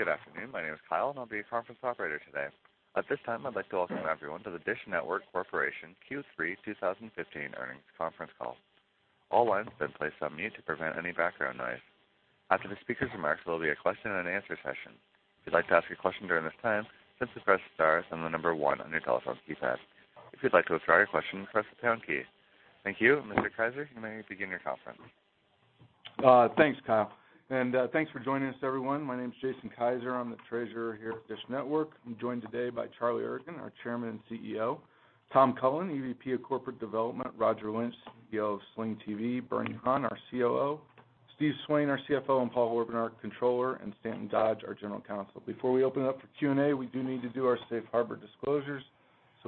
Good afternoon. My name is Kyle, and I'll be your conference operator today. At this time, I'd like to welcome everyone to the DISH Network Corporation Q3 2015 earnings conference call. Mr. Kiser, you may begin your conference. Thanks, Kyle, and thanks for joining us everyone. My name is Jason Kiser. I'm the Treasurer here at DISH Network. I'm joined today by Charlie Ergen, our Chairman and CEO, Tom Cullen, EVP of Corporate Development, Roger Lynch, CEO of Sling TV, Bernie Han, our COO, Steve Swain, our CFO, and Paul Orban, our Controller, and Stanton Dodge, our General Counsel. Before we open up for Q&A, we do need to do our safe harbor disclosures.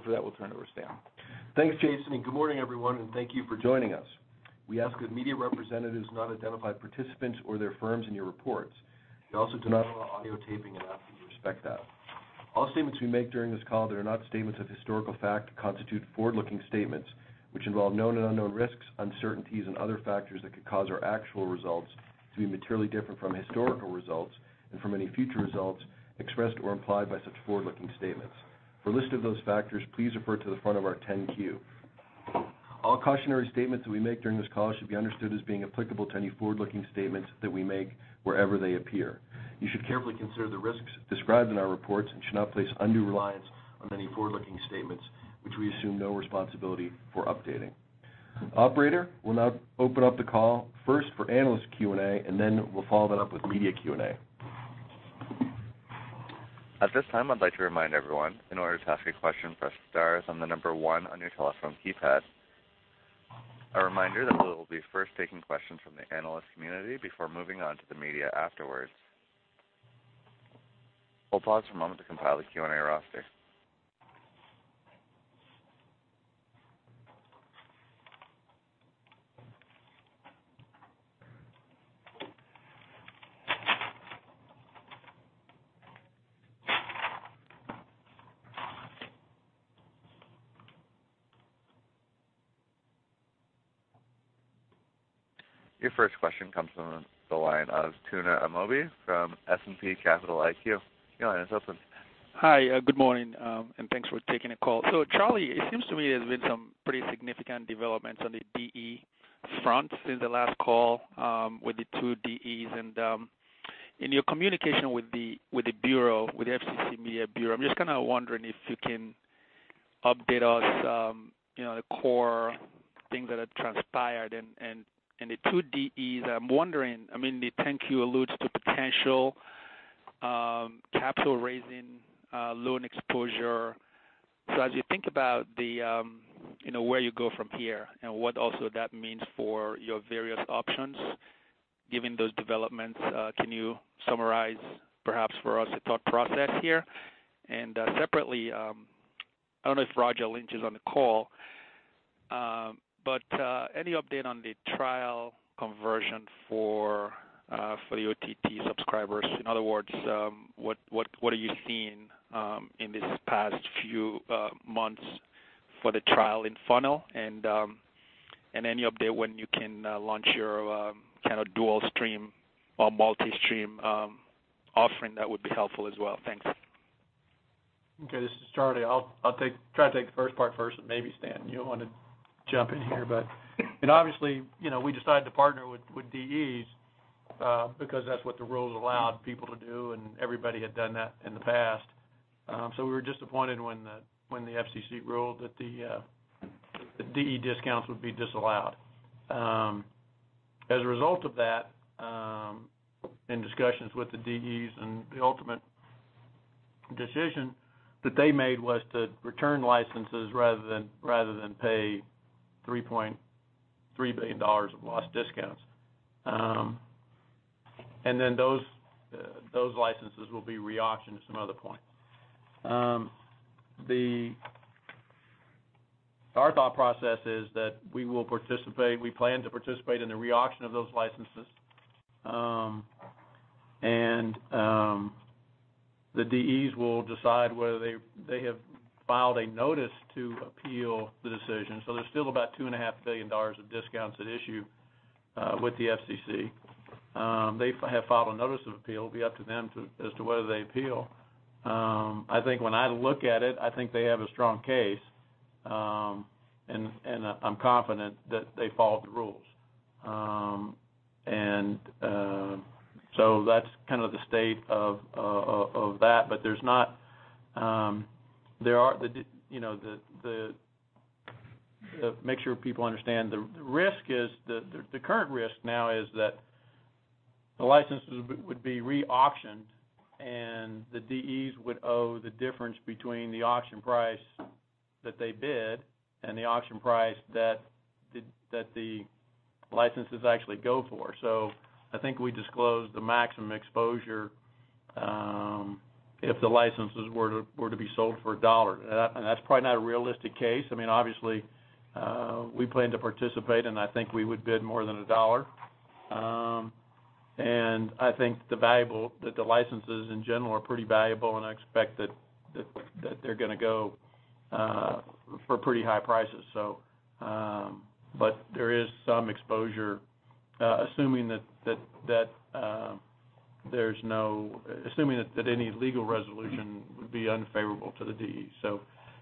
For that, we'll turn it over to Stanton Dodge. Thanks, Jason, and good morning, everyone, and thank you for joining us. We ask that media representatives not identify participants or their firms in your reports. We also do not allow audio taping and ask that you respect that. All statements we make during this call that are not statements of historical fact constitute forward-looking statements which involve known and unknown risks, uncertainties and other factors that could cause our actual results to be materially different from historical results and from any future results expressed or implied by such forward-looking statements. For a list of those factors, please refer to the front of our 10-Q. All cautionary statements that we make during this call should be understood as being applicable to any forward-looking statements that we make wherever they appear. You should carefully consider the risks described in our reports and should not place undue reliance on any forward-looking statements which we assume no responsibility for updating. Operator, we'll now open up the call first for analyst Q&A, and then we'll follow that up with media Q&A. A reminder that we'll be first taking questions from the analyst community before moving on to the media afterwards. We'll pause for a moment to compile the Q&A roster. Your first question comes from the line of Tuna Amobi from S&P Capital IQ. Hi. Good morning, and thanks for taking the call. Charlie, it seems to me there's been some pretty significant developments on the DE front since the last call, with the two DEs. In your communication with the Bureau, with the FCC Media Bureau, I'm just kinda wondering if you can update us, you know, the core things that have transpired. The two DEs, I'm wondering, I mean, the 10-Q alludes to potential capital raising, loan exposure. As you think about the, you know, where you go from here and what also that means for your various options, given those developments, can you summarize perhaps for us the thought process here? Separately, I don't know if Roger Lynch is on the call, any update on the trial conversion for the OTT subscribers? In other words, what are you seeing in this past few months for the trial in funnel? Any update when you can launch your kinda dual stream or multi-stream offering, that would be helpful as well. Thanks. Okay, this is Charlie. I'll try to take the first part first, and maybe, Stan, you'll wanna jump in here. Obviously, you know, we decided to partner with DEs because that's what the rules allowed people to do, and everybody had done that in the past. We were disappointed when the FCC ruled that the DE discounts would be disallowed. As a result of that, in discussions with the DEs and the ultimate decision that they made was to return licenses rather than pay $3.3 billion of lost discounts. Those licenses will be re-auctioned at some other point. Our thought process is that we plan to participate in the re-auction of those licenses. The DEs will decide whether they have filed a notice to appeal the decision. There's still about $2.5 billion of discounts at issue with the FCC. They have filed a notice of appeal. It'll be up to them as to whether they appeal. I think when I look at it, I think they have a strong case. I'm confident that they followed the rules. That's kind of the state of that. There are, you know, make sure people understand, the risk is the current risk now is that the licenses would be re-auctioned, and the DEs would owe the difference between the auction price that they bid and the auction price that the licenses actually go for. I think we disclosed the maximum exposure if the licenses were to be sold for $1. That's probably not a realistic case. I mean, obviously, we plan to participate, I think we would bid more than $1. I think the licenses in general are pretty valuable, and I expect that they're gonna go for pretty high prices, but there is some exposure, assuming that there's no assuming that any legal resolution would be unfavorable to the DE.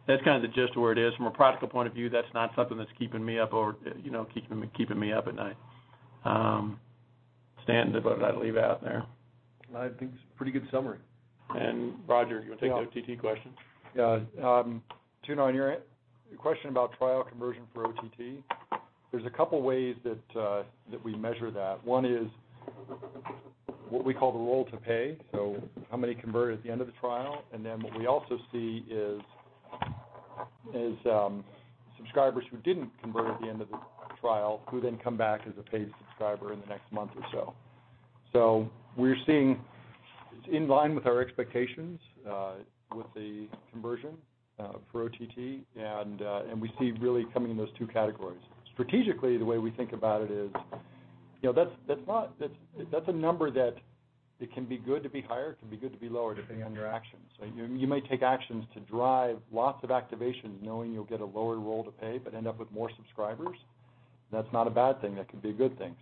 That's kind of the gist of where it is. From a practical point of view, that's not something that's keeping me up or, you know, keeping me up at night. Stan, is there anything I'd leave out there? I think it's a pretty good summary. Roger, you wanna take the OTT question? Yeah. Tuna, on your end, the question about trial conversion for OTT, there's two ways that we measure that. One is what we call the roll to pay, so how many convert at the end of the trial. What we also see is subscribers who didn't convert at the end of the trial, who then come back as a paid subscriber in the next month or so. We're seeing in line with our expectations with the conversion for OTT, and we see really coming in those two categories. Strategically, the way we think about it is, you know, that's a number that it can be good to be higher, it can be good to be lower, depending on your actions. You might take actions to drive lots of activations knowing you'll get a lower rate to pay, but end up with more subscribers. That's not a bad thing. That could be a good thing.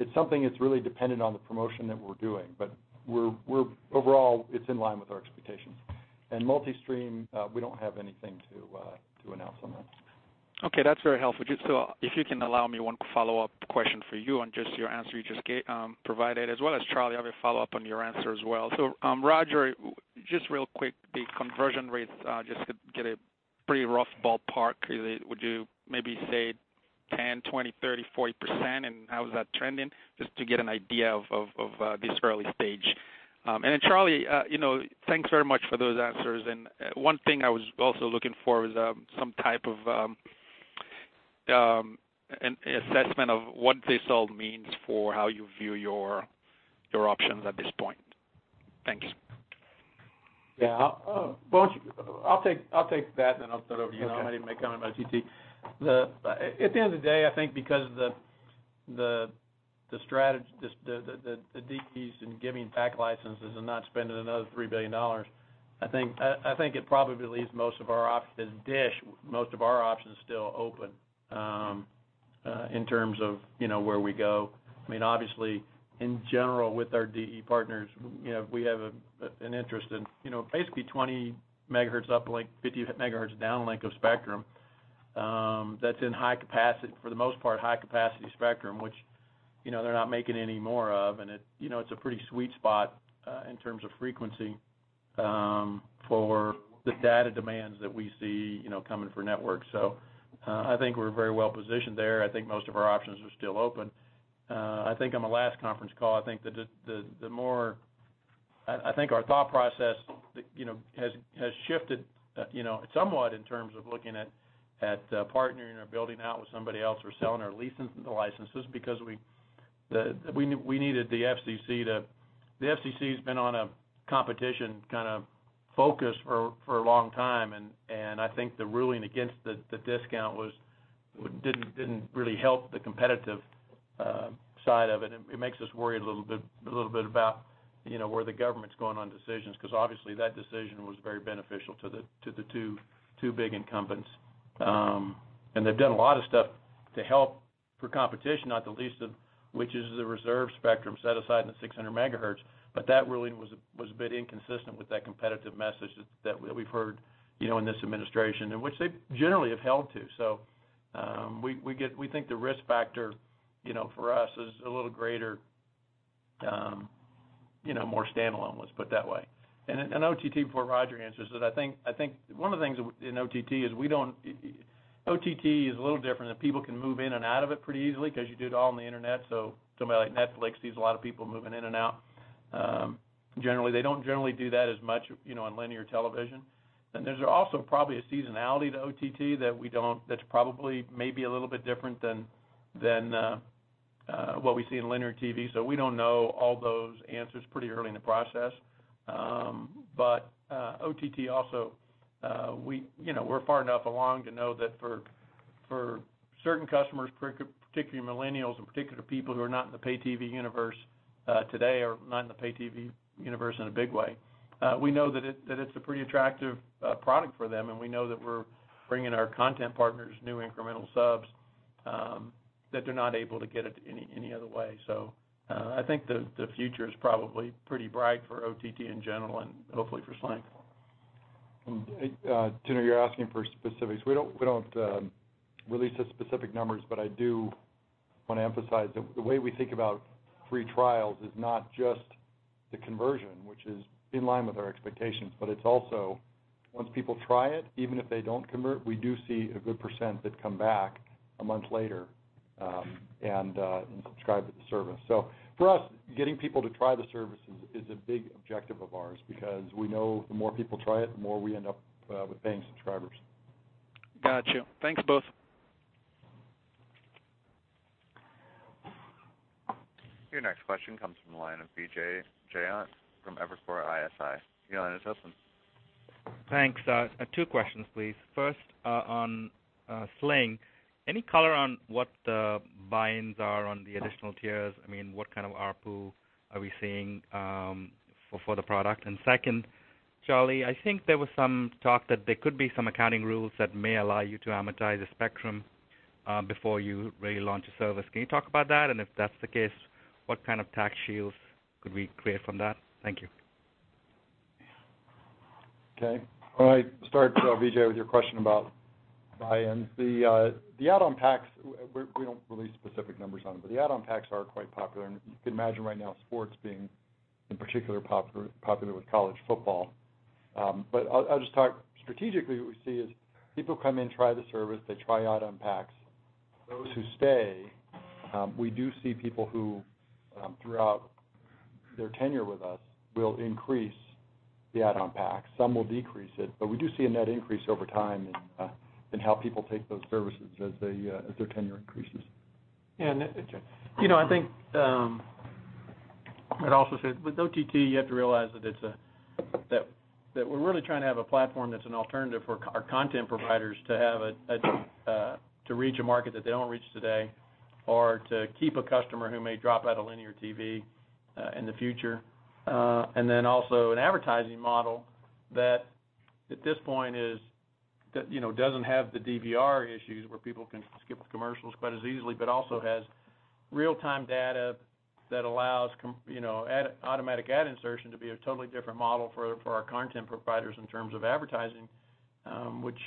It's something that's really dependent on the promotion that we're doing. But we're overall, it's in line with our expectations. Multi-stream, we don't have anything to announce on that. Okay. That's very helpful. Just if you can allow me one follow-up question for you on just your answer you just provided, as well as Charlie, I have a follow-up on your answer as well. Roger, just real quick, the conversion rates, just to get a pretty rough ballpark, would you maybe say 10%, 20%, 30%, 40%, and how is that trending? Just to get an idea of this early stage. Charlie, you know, thanks very much for those answers. One thing I was also looking for was some type of an assessment of what this all means for how you view your options at this point. Thank you. Yeah. I'll take that, then I'll turn it over to you. You can make a comment about OTT. At the end of the day, I think because of the DEs and giving back licenses and not spending another $3 billion, I think it probably leaves most of our options, as DISH, most of our options still open, in terms of, you know, where we go. I mean, obviously, in general, with our DE partners, you know, we have an interest in, you know, basically 20 MHz uplink, 50 MHz downlink of spectrum, that's in high capacity, for the most part, high capacity spectrum, which, you know, they're not making any more of. It, you know, it's a pretty sweet spot, in terms of frequency, for the data demands that we see, you know, coming for network. I think we're very well positioned there. I think most of our options are still open. I think on my last conference call, I think our thought process, you know, has shifted, you know, somewhat in terms of looking at partnering or building out with somebody else or selling or leasing the licenses because we needed the FCC to The FCC has been on a competition kind of focus for a long time and I think the ruling against the discount didn't really help the competitive side of it. It makes us worry a little bit about, you know, where the government's going on decisions, because obviously that decision was very beneficial to the two big incumbents. They've done a lot of stuff to help for competition, not the least of which is the reserve spectrum set aside in the 600 MHz. That really was a bit inconsistent with that competitive message that we've heard, you know, in this administration, and which they generally have held to. We think the risk factor, you know, for us is a little greater, you know, more standalone, let's put it that way. OTT, before Roger answers it, I think one of the things in OTT is a little different, and people can move in and out of it pretty easily because you do it all on the internet. Somebody like Netflix sees a lot of people moving in and out. Generally, they don't generally do that as much, you know, on linear television. There's also probably a seasonality to OTT that we don't, that's probably maybe a little bit different than what we see in linear TV. We don't know all those answers pretty early in the process. OTT also, we, you know, we're far enough along to know that for certain customers, particularly millennials, in particular people who are not in the pay TV universe today, or not in the pay TV universe in a big way, we know that it, that it's a pretty attractive product for them, and we know that we're bringing our content partners new incremental subs that they're not able to get it any other way. I think the future is probably pretty bright for OTT in general and hopefully for Sling. Tuna, you're asking for specifics. We don't release the specific numbers, but I do wanna emphasize that the way we think about free trials is not just the conversion, which is in line with our expectations, but it's also once people try it, even if they don't convert, we do see a good percent that come back a month later and subscribe to the service. For us, getting people to try the service is a big objective of ours because we know the more people try it, the more we end up with paying subscribers. Got you. Thanks, both. Your next question comes from the line of Vijay Jayant from Evercore ISI. Your line is open. Thanks. Two questions, please. First, on Sling, any color on what the buy-ins are on the additional tiers? I mean, what kind of ARPU are we seeing for the product? Second, Charlie, I think there was some talk that there could be some accounting rules that may allow you to amortize the spectrum. Before you really launch a service. Can you talk about that? If that's the case, what kind of tax shields could we create from that? Thank you. Well, I start, Vijay, with your question about buy-ins. The add-on packs, we don't release specific numbers on them, but the add-on packs are quite popular. You can imagine right now, sports being in particular popular with college football. I'll just talk strategically what we see is people come in, try the service, they try add-on packs. Those who stay, we do see people who, throughout their tenure with us will increase the add-on pack. Some will decrease it, but we do see a net increase over time in how people take those services as their tenure increases. You know, I think, I'd also say with OTT, you have to realize that we're really trying to have a platform that's an alternative for our content providers to have a, to reach a market that they don't reach today, or to keep a customer who may drop out of linear TV in the future. Also an advertising model that at this point is, you know, doesn't have the DVR issues where people can skip commercials quite as easily, but also has real-time data that allows you know, automatic ad insertion to be a totally different model for our content providers in terms of advertising. Which,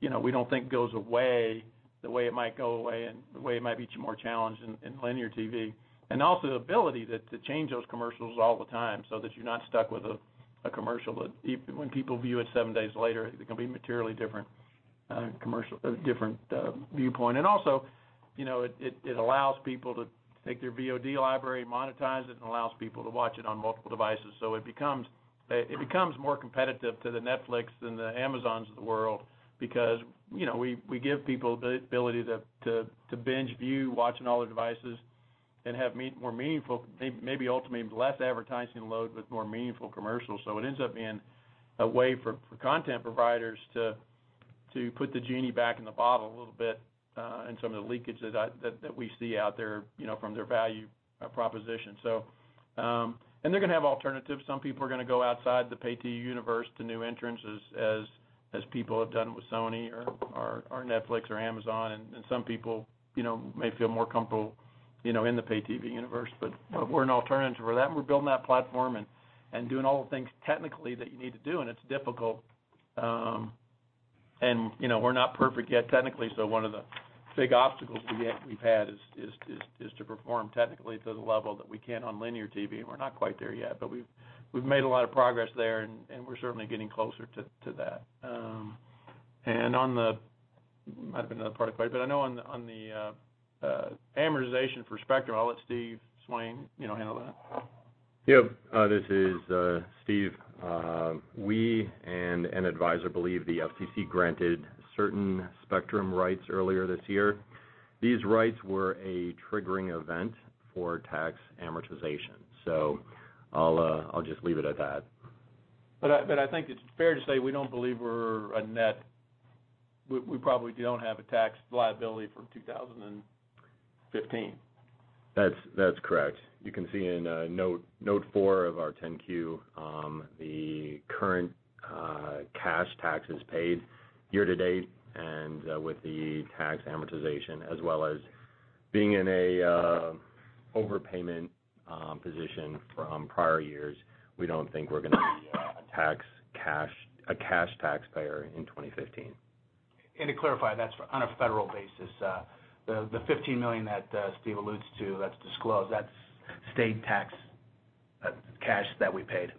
you know, we don't think goes away the way it might go away and the way it might be more challenged in linear TV. The ability to change those commercials all the time so that you're not stuck with a commercial that even when people view it seven days later, it can be materially different, commercial, different viewpoint. You know, it allows people to take their VOD library, monetize it, and allows people to watch it on multiple devices. It becomes more competitive to the Netflix and the Amazon of the world because, you know, we give people the ability to binge view watching all their devices and have more meaningful, maybe ultimately less advertising load with more meaningful commercials. It ends up being a way for content providers to put the genie back in the bottle a little bit, and some of the leakage that we see out there, you know, from their value proposition. And they're gonna have alternatives. Some people are gonna go outside the pay-TV universe to new entrants as people have done with Sony or Netflix or Amazon, and some people, you know, may feel more comfortable, you know, in the pay-TV universe. We're an alternative for that, and we're building that platform and doing all the things technically that you need to do, and it's difficult. You know, we're not perfect yet technically, so one of the big obstacles we've had is to perform technically to the level that we can on linear TV, and we're not quite there yet. We've made a lot of progress there and we're certainly getting closer to that. On the, might have been another part of the question, but I know on the amortization for Spectrum, I'll let Steve Swain, you know, handle that. Yeah. This is Steve. We and an advisor believe the FCC granted certain spectrum rights earlier this year. These rights were a triggering event for tax amortization. I'll just leave it at that. I think it's fair to say we don't believe we're a net. We probably don't have a tax liability for 2015. That's correct. You can see in note four of our 10-Q, the current cash taxes paid year to date and with the tax amortization, as well as being in an overpayment position from prior years, we don't think we're gonna be a cash taxpayer in 2015. To clarify, that's on a federal basis. The $15 million that Steve alludes to that's disclosed, that's state tax cash that we paid.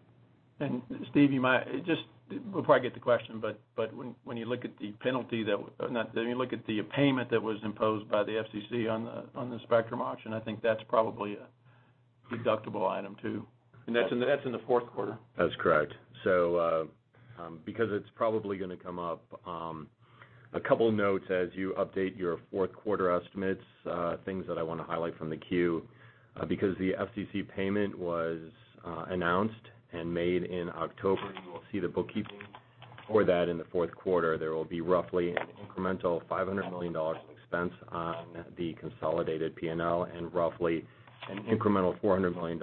Steve, you might just we'll probably get the question, but when you look at the payment that was imposed by the FCC on the spectrum auction, I think that's probably a deductible item too. That's in the fourth quarter. That's correct. Because it's probably gonna come up, a couple notes as you update your fourth quarter estimates, things that I wanna highlight from the Q. Because the FCC payment was announced and made in October, you will see the bookkeeping for that in the fourth quarter. There will be roughly an incremental $500 million in expense on the consolidated P&L and roughly an incremental $400 million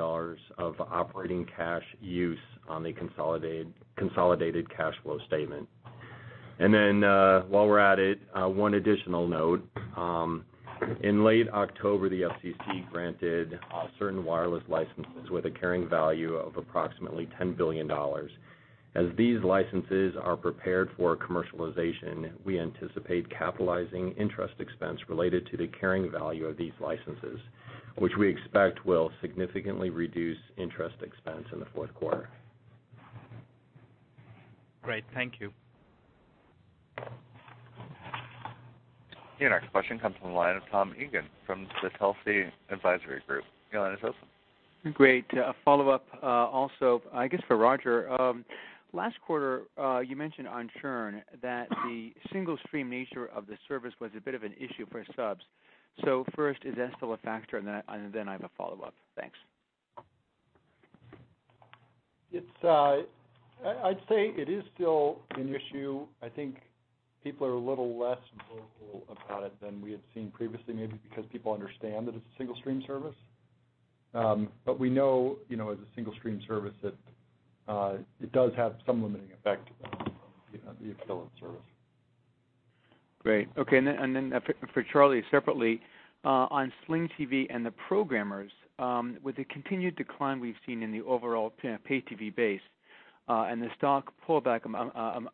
of operating cash use on the consolidated cash flow statement. While we're at it, one additional note. In late October, the FCC granted certain wireless licenses with a carrying value of approximately $10 billion. As these licenses are prepared for commercialization, we anticipate capitalizing interest expense related to the carrying value of these licenses, which we expect will significantly reduce interest expense in the fourth quarter. Great. Thank you. Your next question comes from the line of Tom Eagan from the Telsey Advisory Group. Your line is open. Great. A follow-up, also, I guess for Roger. Last quarter, you mentioned on churn that the single stream nature of the service was a bit of an issue for subs. First, is that still a factor? I have a follow-up. Thanks. It's I'd say it is still an issue. I think people are a little less vocal about it than we had seen previously, maybe because people understand that it's a single stream service. We know, you know, as a single stream service that, it does have some limiting effect, you know, the appeal of the service. Great. Okay. For Charlie separately, on Sling TV and the programmers, with the continued decline we've seen in the overall pay TV base, the stock pullback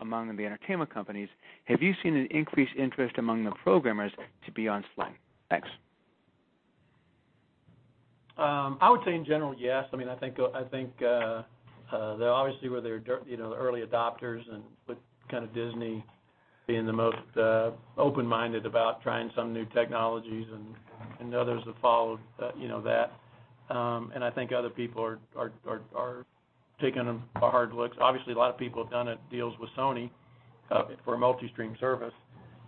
among the entertainment companies, have you seen an increased interest among the programmers to be on Sling? Thanks. I would say in general, yes. I mean, I think there are obviously were their you know, early adopters and with kind of Disney being the most open-minded about trying some new technologies and others have followed, you know, that. I think other people are taking a hard look. Obviously, a lot of people have done deals with Sony for a multi-stream service.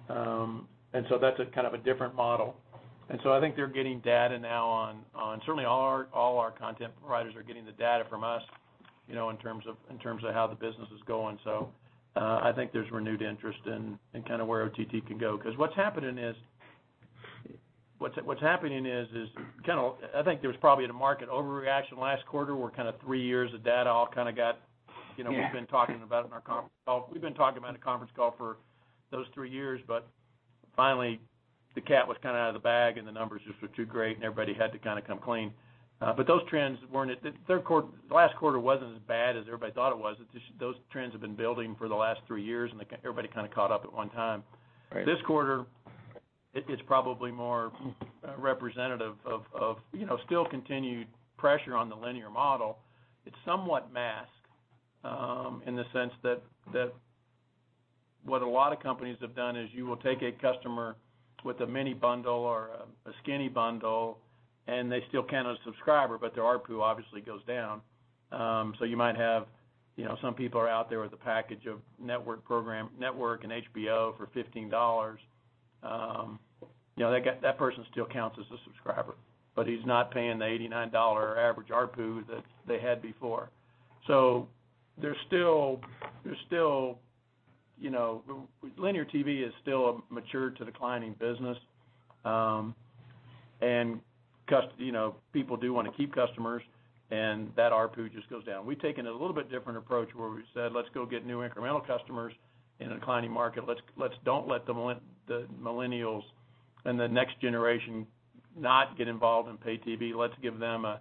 That's a kind of a different model. I think they're getting data now on Certainly all our content providers are getting the data from us, you know, in terms of how the business is going. I think there's renewed interest in kind of where OTT can go. What's happening is kind of, I think there was probably a market overreaction last quarter where kind of three years of data all kind of got, you know. We've been talking about in our conf call. We've been talking about in the conference call for those three years, finally, the cat was kind of out of the bag and the numbers just were too great and everybody had to kind of come clean. Those trends weren't at the third quarter, the last quarter wasn't as bad as everybody thought it was. It's just those trends have been building for the last three years, and everybody kind of caught up at one time. This quarter it is probably more representative of, you know, still continued pressure on the linear model. It's somewhat masked in the sense that what a lot of companies have done is you will take a customer with a mini bundle or a skinny bundle, and they still count as a subscriber, but their ARPU obviously goes down. You might have, you know, some people are out there with a package of network program, network and HBO for $15. You know, that person still counts as a subscriber, but he's not paying the $89 average ARPU that they had before. There's still, you know linear TV is still a mature to declining business. You know, people do wanna keep customers and that ARPU just goes down. We've taken a little bit different approach where we've said, "Let's go get new incremental customers in a declining market. Let's don't let the millennials and the next generation not get involved in pay TV. Let's give them a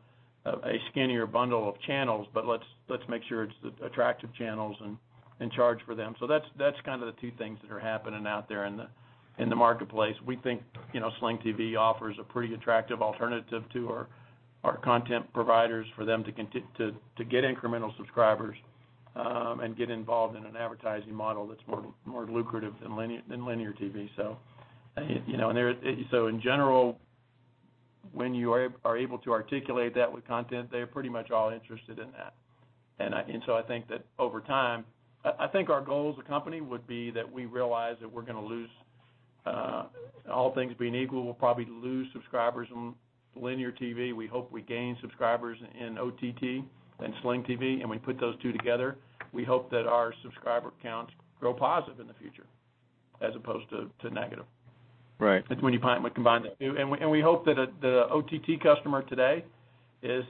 skinnier bundle of channels, but let's make sure it's the attractive channels and charge for them." That's kind of the two things that are happening out there in the marketplace. We think, you know, Sling TV offers a pretty attractive alternative to our content providers for them to get incremental subscribers and get involved in an advertising model that's more lucrative than linear TV. In general, when you are able to articulate that with content, they're pretty much all interested in that. I think that over time I think our goal as a company would be that we realize that we're gonna lose, all things being equal, we'll probably lose subscribers on linear TV. We hope we gain subscribers in OTT and Sling TV, and we put those two together, we hope that our subscriber counts grow positive in the future as opposed to negative. Right. That's when you combine the two. We hope that the OTT customer today is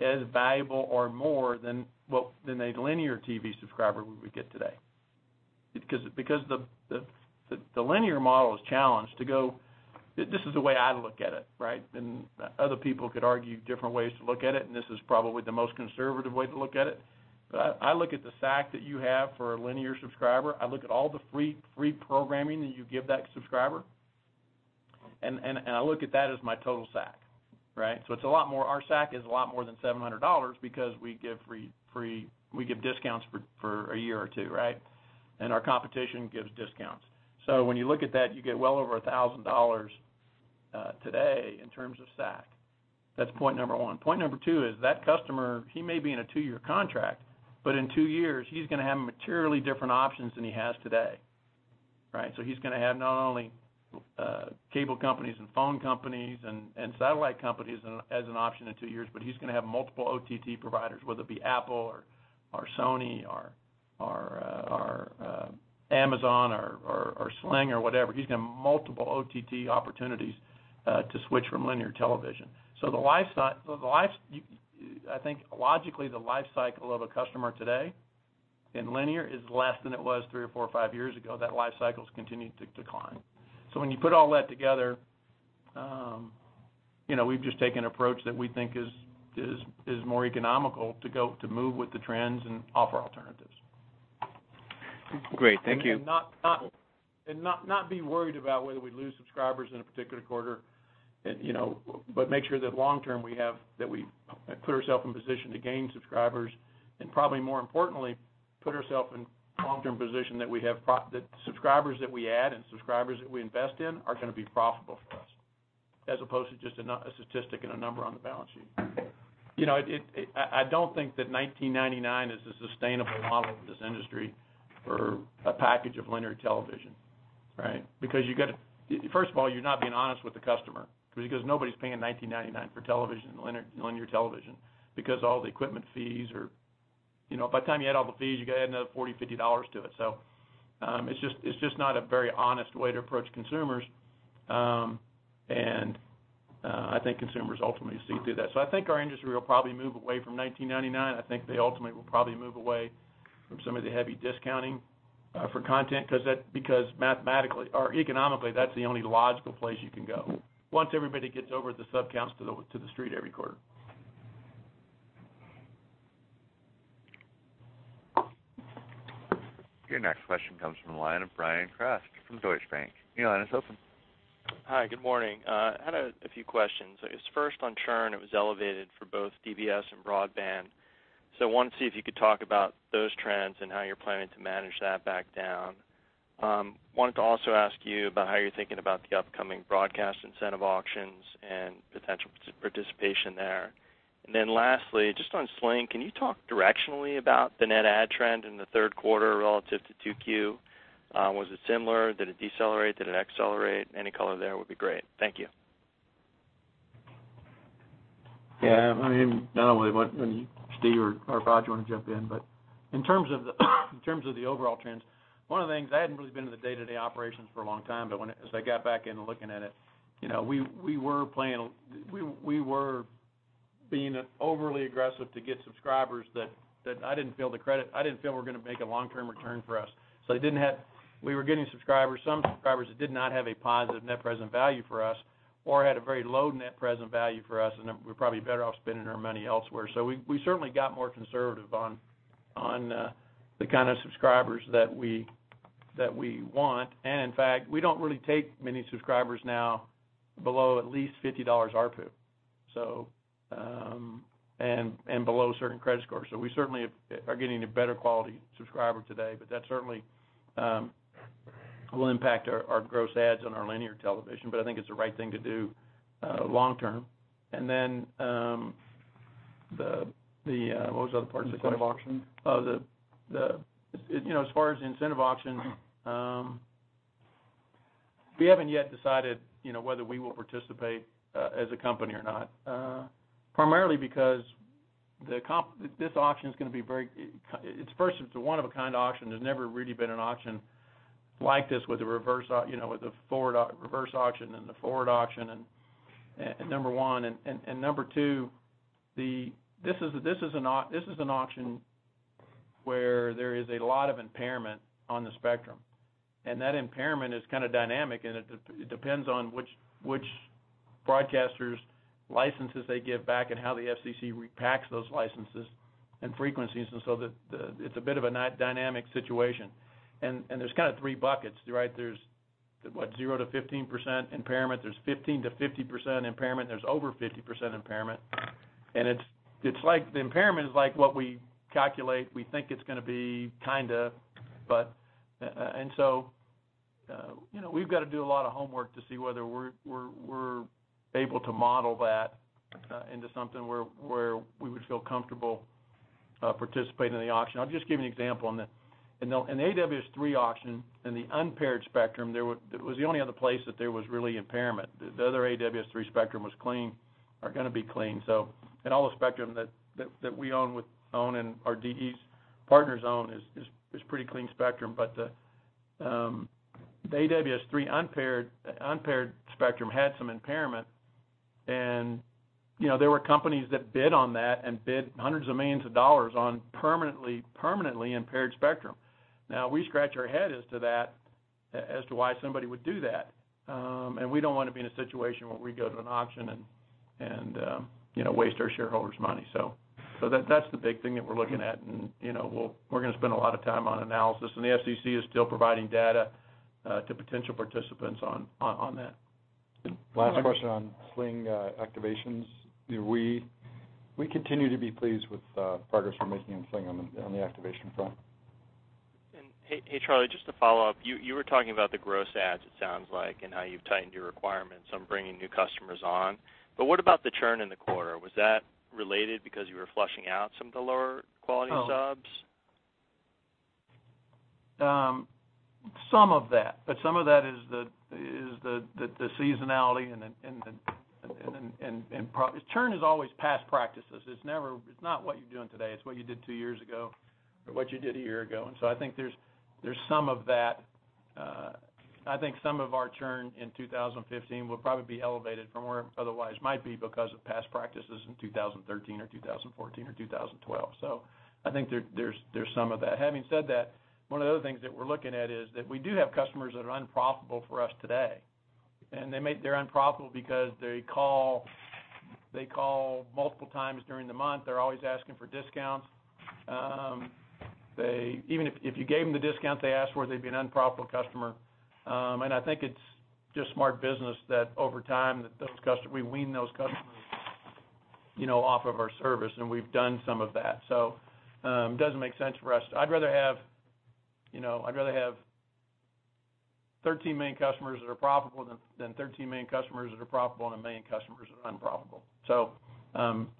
as valuable or more than, well, than a linear TV subscriber we would get today. Because the linear model is challenged to go This is the way I look at it, right? Other people could argue different ways to look at it, and this is probably the most conservative way to look at it. I look at the SAC that you have for a linear subscriber. I look at all the free programming that you give that subscriber, and I look at that as my total SAC, right? Our SAC is a lot more than $700 because we give free We give discounts for a year or two, right? Our competition gives discounts. When you look at that, you get well over $1,000 today in terms of SAC. That's point number one. Point number two is that customer, he may be in a two-year contract, but in two years he's going to have materially different options than he has today, right? He's going to have not only cable companies and phone companies and satellite companies as an option in two years, but he's going to have multiple OTT providers, whether it be Apple or Sony or Amazon or Sling or whatever. He's going to have multiple OTT opportunities to switch from linear television. I think logically the life cycle of a customer today in linear is less than it was three or four or five years ago. That life cycle's continued to decline. When you put all that together, you know, we've just taken an approach that we think is more economical to move with the trends and offer alternatives. Great. Thank you. Not be worried about whether we lose subscribers in a particular quarter, you know, but make sure that long term we have, that we put ourselves in position to gain subscribers, and probably more importantly, put ourself in long term position that we have that subscribers that we add and subscribers that we invest in are gonna be profitable for us as opposed to just a statistic and a number on the balance sheet. You know, it, I don't think that 1999 is a sustainable model for this industry for a package of linear television, right? You gotta. First of all, you're not being honest with the customer because nobody's paying $19.99 for television, linear television because all the equipment fees are. You know, by the time you add all the fees, you gotta add another $40, $50 to it. It's just not a very honest way to approach consumers. I think consumers ultimately see through that. I think our industry will probably move away from $19.99. I think they ultimately will probably move away from some of the heavy discounting for content because mathematically or economically, that's the only logical place you can go once everybody gets over the sub counts to the street every quarter. Your next question comes from the line of Bryan Kraft from Deutsche Bank. Your line is open. Hi, good morning. had a few questions. I guess, first on churn, it was elevated for both DBS and broadband. I wanted to see if you could talk about those trends and how you're planning to manage that back down. wanted to also ask you about how you're thinking about the upcoming broadcast incentive auctions and potential participation there. Lastly, just on Sling, can you talk directionally about the net add trend in the third quarter relative to 2Q? Was it similar? Did it decelerate? Did it accelerate? Any color there would be great. Thank you. I mean, I don't know whether, when Steve or Roger you want to jump in, but in terms of the overall trends, one of the things I hadn't really been in the day-to-day operations for a long time, but as I got back in and looking at it, you know, We were planning. We were being overly aggressive to get subscribers that I didn't feel were going to make a long-term return for us. We were getting subscribers, some subscribers that did not have a positive net present value for us or had a very low net present value for us, and we are probably better off spending our money elsewhere. We certainly got more conservative on the kind of subscribers that we want. In fact, we don't really take many subscribers now below at least $50 ARPU. And, and below certain credit scores. We certainly are getting a better quality subscriber today, but that certainly will impact our gross adds on our linear television, but I think it's the right thing to do long term. Then, the, what was the other part of the question? Incentive Auction. You know, as far as the incentive auction, we haven't yet decided, you know, whether we will participate as a company or not. Primarily because this auction is gonna be, it's first, it's a one-of-a-kind auction. There's never really been an auction like this with a reverse auction, you know, with a forward auction, reverse auction and a forward auction and number one. Number two, this is an auction where there is a lot of impairment on the spectrum, and that impairment is kind of dynamic, and it depends on which broadcasters licenses they give back and how the FCC repacks those licenses and frequencies. It's a bit of a dynamic situation. There's kind of three buckets, right? There's what? 0-15% impairment, there's 15%-50% impairment, there's over 50% impairment. It's like the impairment is like what we calculate, we think it's gonna be kinda, but. You know, we've got to do a lot of homework to see whether we're able to model that into something where we would feel comfortable participating in the auction. I'll just give you an example on that. In the AWS-3 auction, in the unpaired spectrum, it was the only other place that there was really impairment. The other AWS-3 spectrum was clean or gonna be clean. And all the spectrum that we own and our DE partners own is pretty clean spectrum. The AWS-3 unpaired spectrum had some impairment and, you know, there were companies that bid on that and bid hundreds of millions of dollars on permanently impaired spectrum. Now, we scratch our head as to that, as to why somebody would do that. We don't wanna be in a situation where we go to an auction and, you know, waste our shareholders' money. That's the big thing that we're looking at. You know, we're gonna spend a lot of time on analysis. The FCC is still providing data to potential participants on that. Last question on Sling, activations. We continue to be pleased with the progress we're making on Sling on the activation front. Hey, Charlie, just to follow up. You were talking about the gross adds, it sounds like, and how you've tightened your requirements on bringing new customers on. What about the churn in the quarter? Was that related because you were flushing out some of the lower quality subs? Some of that. Some of that is the seasonality and the churn is always past practices. It's not what you're doing today, it's what you did two years ago or what you did a year ago. I think there's some of that. I think some of our churn in 2015 will probably be elevated from where otherwise might be because of past practices in 2013 or 2014 or 2012. I think there's some of that. Having said that, one of the other things that we're looking at is that we do have customers that are unprofitable for us today, and they're unprofitable because they call multiple times during the month. They're always asking for discounts. They even if you gave them the discount they asked for, they'd be an unprofitable customer. And I think it's just smart business that over time that those we wean those customers, you know, off of our service, and we've done some of that. It doesn't make sense for us. I'd rather have, you know, I'd rather have 13 million customers that are profitable than 13 million customers that are profitable and one million customers that are unprofitable.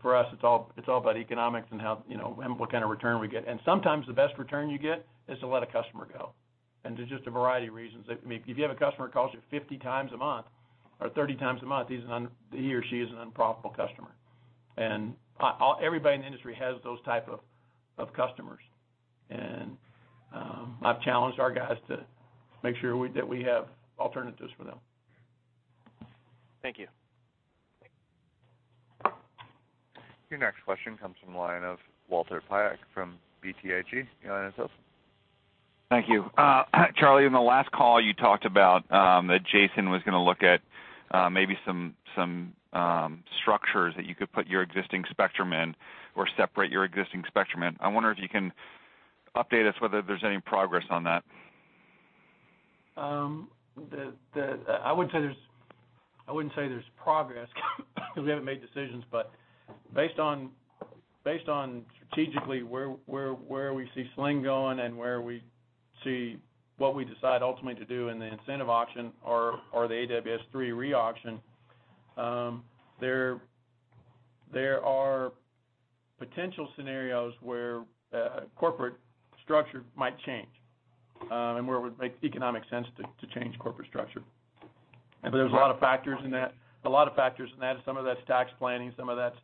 For us, it's all, it's all about economics and how, you know, and what kind of return we get. Sometimes the best return you get is to let a customer go. And there's just a variety of reasons. If you have a customer that calls you 50x a month or 30x a month, he or she is an unprofitable customer. Everybody in the industry has those type of customers. I've challenged our guys to make sure that we have alternatives for them. Thank you. Your next question comes from the line of Walter Piecyk from BTIG. Go ahead and set up. Thank you. Charlie, in the last call you talked about that Jason was gonna look at some structures that you could put your existing spectrum in or separate your existing spectrum in. I wonder if you can update us whether there's any progress on that? I wouldn't say there's progress because we haven't made decisions. Based on strategically where we see Sling going and where we see what we decide ultimately to do in the incentive auction or the AWS-3 re-auction, there are potential scenarios where corporate structure might change, and where it would make economic sense to change corporate structure. There's a lot of factors in that. Some of that's tax planning, some of that's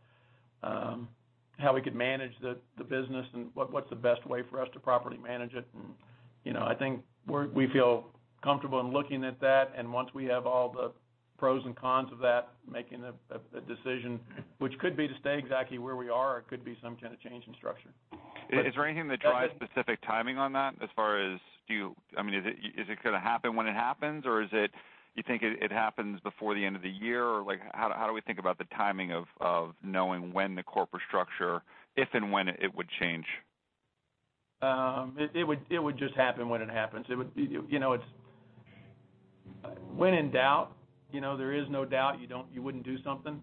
how we could manage the business and what's the best way for us to properly manage it. You know, I think we feel comfortable in looking at that, and once we have all the pros and cons of that, making a decision, which could be to stay exactly where we are, or it could be some kind of change in structure. Is there anything that drives specific timing on that as far as do you I mean, is it gonna happen when it happens or is it you think it happens before the end of the year or like how do we think about the timing of knowing when the corporate structure, if and when it would change? It would just happen when it happens. It would. You know, it's When in doubt, you know, there is no doubt you wouldn't do something.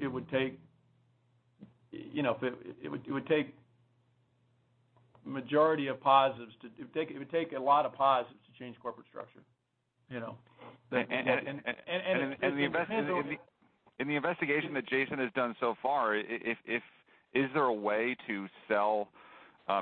It would take, you know, it would take majority of positives to. It would take a lot of positives to change corporate structure, you know? In the investigation that Jason has done so far, is there a way to sell,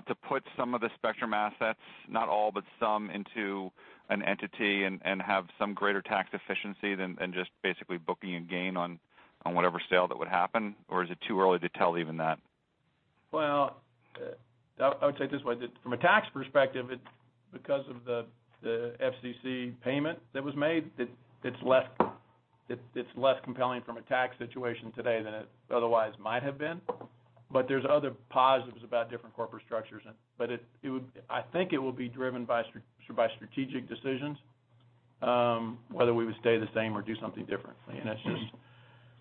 to put some of the spectrum assets, not all but some, into an entity and have some greater tax efficiency than just basically booking a gain on whatever sale that would happen or is it too early to tell even that? Well, I would say it this way, that from a tax perspective it's because of the FCC payment that was made that it's less compelling from a tax situation today than it otherwise might have been. There's other positives about different corporate structures and I think it will be driven by strategic decisions, whether we would stay the same or do something differently. That's just.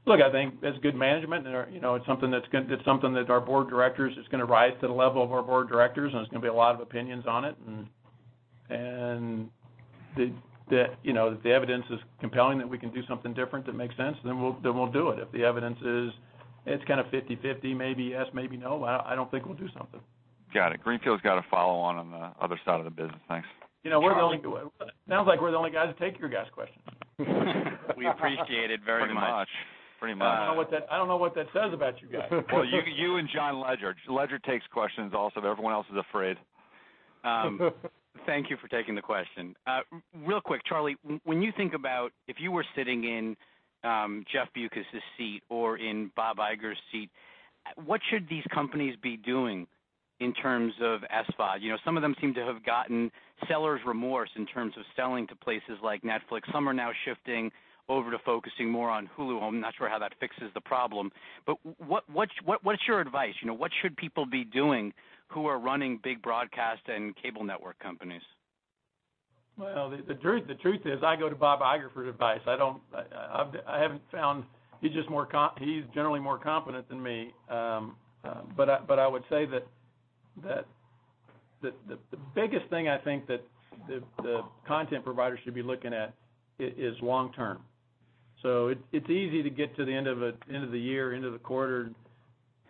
Look, I think it's good management or, you know, it's something that our board of directors, it's gonna rise to the level of our board of directors, and there's gonna be a lot of opinions on it. The, you know, if the evidence is compelling that we can do something different that makes sense, then we'll do it. If the evidence is it's kinda 50/50, maybe yes, maybe no, I don't think we'll do something. Got it. Greenfield's got a follow on on the other side of the business. Thanks. You know, we're the only, sounds like we're the only guys who take your guys' questions. We appreciate it very much. Pretty much. Pretty much. I don't know what that says about you guys. Well, you and John Legere. Legere takes questions also, but everyone else is afraid. Thank you for taking the question. Real quick, Charlie, when you think about if you were sitting in Jeff Bewkes' seat or in Bob Iger's seat, what should these companies be doing in terms of SVOD? You know, some of them seem to have gotten seller's remorse in terms of selling to places like Netflix. Some are now shifting over to focusing more on Hulu, I'm not sure how that fixes the problem. What's, what is your advice? You know, what should people be doing who are running big broadcast and cable network companies? Well, the truth is I go to Bob Iger for advice. I haven't found He's just more generally more competent than me. I would say that the biggest thing I think that the content providers should be looking at is long term. It's easy to get to the end of the year, end of the quarter,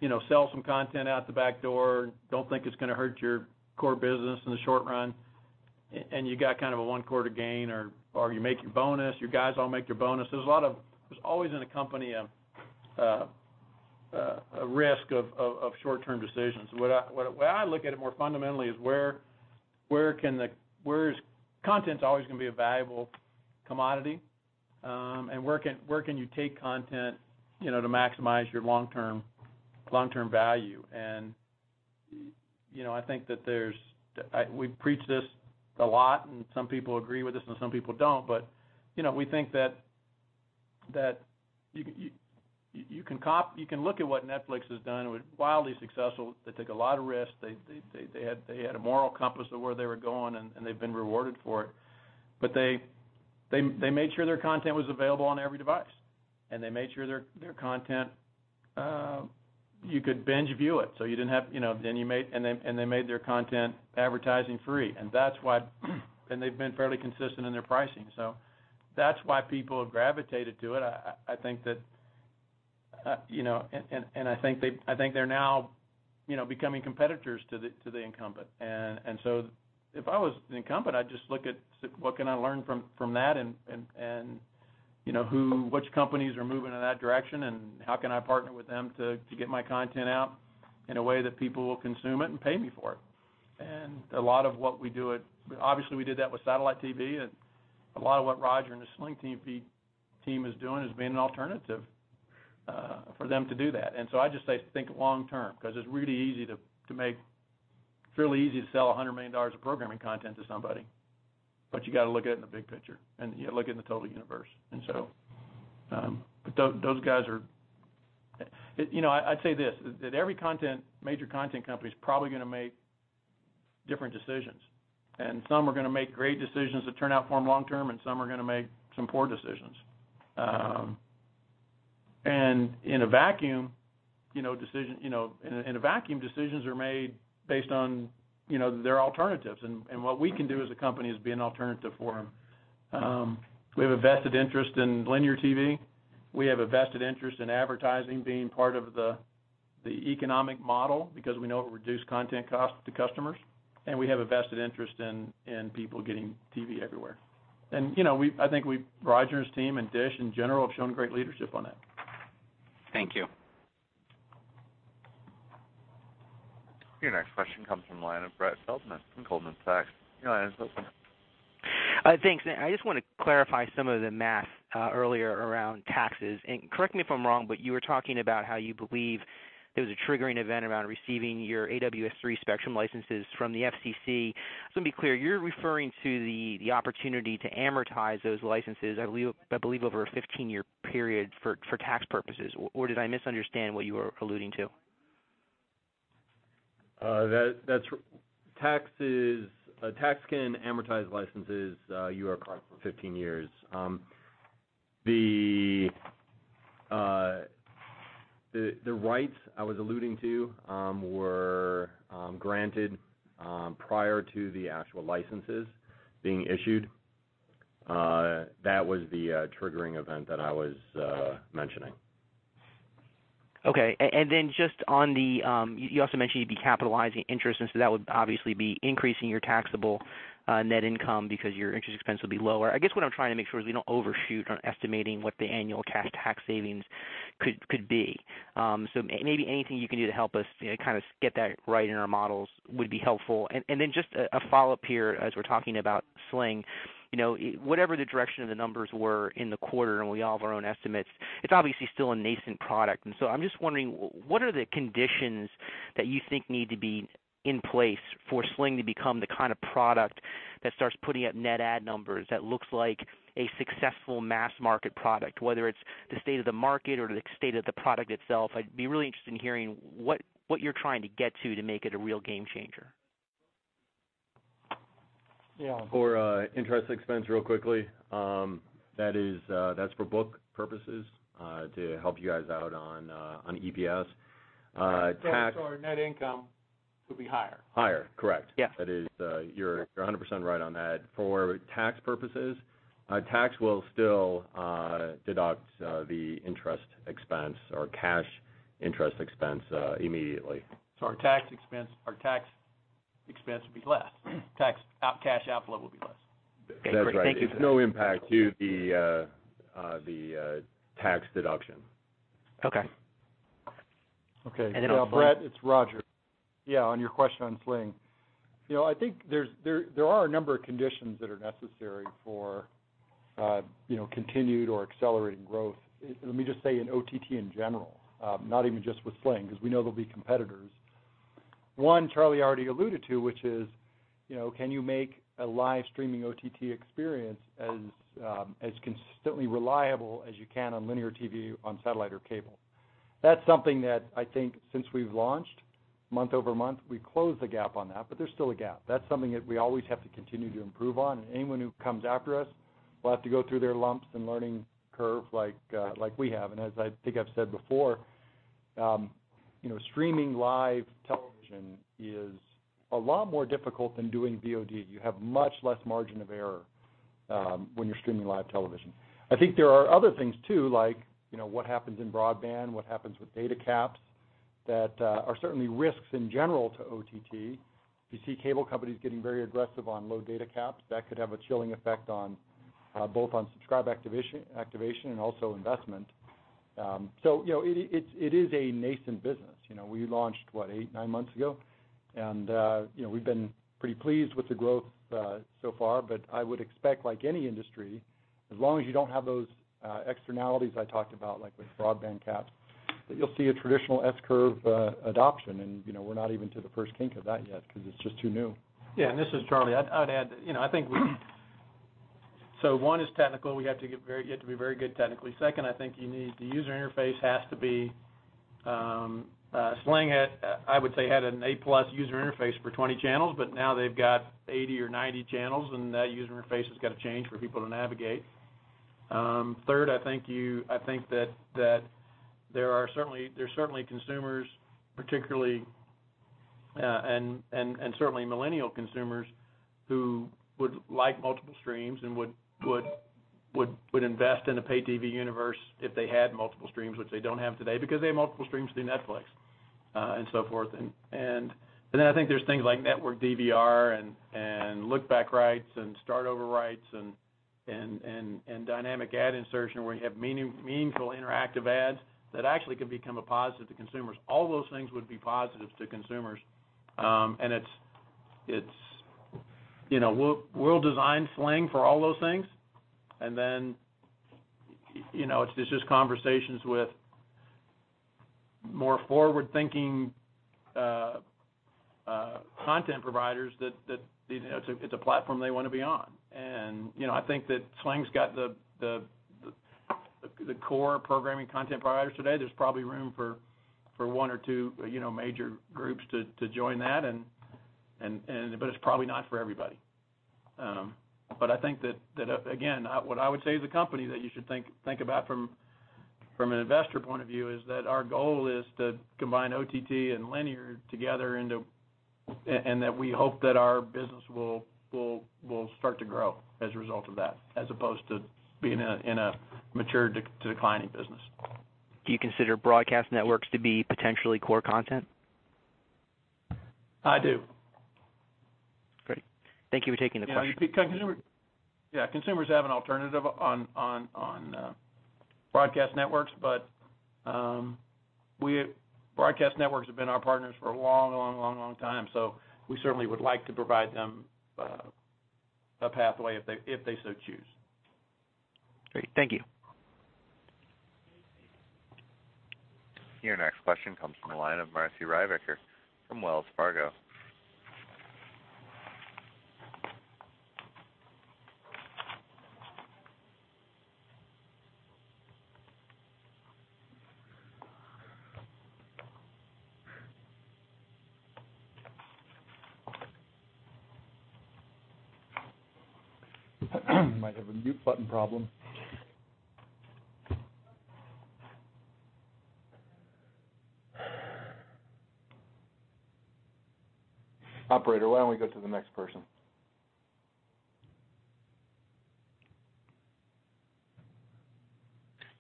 you know, sell some content out the back door, don't think it's gonna hurt your core business in the short run, and you got kind of a one quarter gain or you make your bonus, your guys all make their bonus. There's always in a company a risk of short-term decisions. The way I look at it more fundamentally is where is Content's always going to be a valuable commodity. Where can you take content, you know, to maximize your long-term value? You know, I think that there's we preach this a lot and some people agree with us and some people don't, you know, we think that you can look at what Netflix has done. It was wildly successful. They took a lot of risks. They had a moral compass of where they were going, and they've been rewarded for it. They made sure their content was available on every device, and they made sure their content, you could binge view it. They made their content advertising free, and that's why they've been fairly consistent in their pricing. That's why people have gravitated to it. I think that, you know, and I think they're now, you know, becoming competitors to the incumbent. If I was the incumbent, I'd just look at what can I learn from that and You know, which companies are moving in that direction, and how can I partner with them to get my content out in a way that people will consume it and pay me for it? A lot of what we do, obviously, we did that with satellite TV and a lot of what Roger and the Sling TV team is doing is being an alternative for them to do that. I just say think long term, 'cause it's really easy to make It's really easy to sell $100 million of programming content to somebody, but you gotta look at it in the big picture, and you look in the total universe. But those guys are. You know, I'd say this, that every major content company is probably gonna make different decisions. Some are gonna make great decisions that turn out for 'em long term, and some are gonna make some poor decisions. In a vacuum, you know, decisions are made based on, you know, their alternatives. What we can do as a company is be an alternative for 'em. We have a vested interest in linear TV. We have a vested interest in advertising being part of the economic model because we know it will reduce content cost to customers, and we have a vested interest in people getting TV everywhere. You know, I think we Roger and his team and DISH in general have shown great leadership on that. Thank you. Your next question comes from the line of Brett Feldman from Goldman Sachs. Your line is open. Thanks. I just wanna clarify some of the math earlier around taxes. Correct me if I'm wrong, you were talking about how you believe there was a triggering event around receiving your AWS-3 spectrum licenses from the FCC. Just to be clear, you're referring to the opportunity to amortize those licenses, I believe, over a 15-year period for tax purposes, or did I misunderstand what you were alluding to? A tax can amortize licenses, you are covering for 15 years. The rights I was alluding to were granted prior to the actual licenses being issued. That was the triggering event that I was mentioning. Okay. Just on the, you also mentioned you'd be capitalizing interest, and so that would obviously be increasing your taxable net income because your interest expense will be lower. I guess what I'm trying to make sure is we don't overshoot on estimating what the annual cash tax savings could be. Maybe anything you can do to help us, you know, kind of get that right in our models would be helpful. Just a follow-up here as we're talking about Sling. You know, whatever the direction of the numbers were in the quarter, and we all have our own estimates, it's obviously still a nascent product. I'm just wondering what are the conditions that you think need to be in place for Sling to become the kind of product that starts putting up net ad numbers, that looks like a successful mass market product, whether it's the state of the market or the state of the product itself? I'd be really interested in hearing what you're trying to get to to make it a real game changer. For interest expense real quickly, that is, that's for book purposes, to help you guys out on EPS. Our net income will be higher. Higher, correct. Yes. That is, you're a 100% right on that. For tax purposes, tax will still deduct the interest expense or cash interest expense immediately. Our tax expense will be less. Cash outflow will be less. Okay, great. Thank you. That's right. It's no impact to the tax deduction. Okay. Okay. Brett, it's Roger. Yeah, on your question on Sling. You know, I think there are a number of conditions that are necessary for, you know, continued or accelerating growth. Let me just say in OTT in general, not even just with Sling, 'cause we know there'll be competitors. One, Charlie already alluded to, which is, you know, can you make a live streaming OTT experience as consistently reliable as you can on linear TV on satellite or cable? That's something that I think since we've launched month-over-month, we closed the gap on that, but there's still a gap. That's something that we always have to continue to improve on. Anyone who comes after us will have to go through their lumps and learning curve like we have. As I think I've said before, you know, streaming live television is a lot more difficult than doing VOD. You have much less margin of error when you're streaming live television. I think there are other things too, like, you know, what happens in broadband, what happens with data caps that are certainly risks in general to OTT. You see cable companies getting very aggressive on low data caps. That could have a chilling effect on both on subscribe activation and also investment. So you know, it is a nascent business. You know, we launched, what, eight, nine months ago? You know, we've been pretty pleased with the growth so far. I would expect, like any industry, as long as you don't have those externalities I talked about, like with broadband caps, that you'll see a traditional S-curve adoption. You know, we're not even to the first kink of that yet 'cause it's just too new. This is Charlie. I'd add, you know, I think we So one is technical. We have to get very good technically. Second, I think you need the user interface has to be Sling had, I would say, had an A+ user interface for 20 channels, but now they've got 80 or 90 channels, and that user interface has gotta change for people to navigate. Third, I think that there's certainly consumers, particularly, and certainly millennial consumers who would like multiple streams and would invest in a pay TV universe if they had multiple streams, which they don't have today because they have multiple streams through Netflix and so forth. Then I think there's things like network DVR and look back rights and start over rights and dynamic ad insertion where you have meaningful interactive ads that actually could become a positive to consumers. All those things would be positive to consumers. It's You know, we'll design Sling for all those things. Then, you know, it's just conversations with more forward-thinking content providers that, you know, it's a platform they wanna be on. You know, I think that Sling's got the core programming content providers today. There's probably room for one or two, you know, major groups to join that and it's probably not for everybody. I think that again, what I would say as a company that you should think about from an investor point of view is that our goal is to combine OTT and linear together and that we hope that our business will start to grow as a result of that, as opposed to being in a mature declining business. Do you consider broadcast networks to be potentially core content? I do. Great. Thank you for taking the question. Consumers have an alternative on broadcast networks, but Broadcast networks have been our partners for a long time, so we certainly would like to provide them a pathway if they so choose. Great. Thank you. Your next question comes from the line of Marci Ryvicker from Wells Fargo. Might have a mute button problem. Operator, why don't we go to the next person?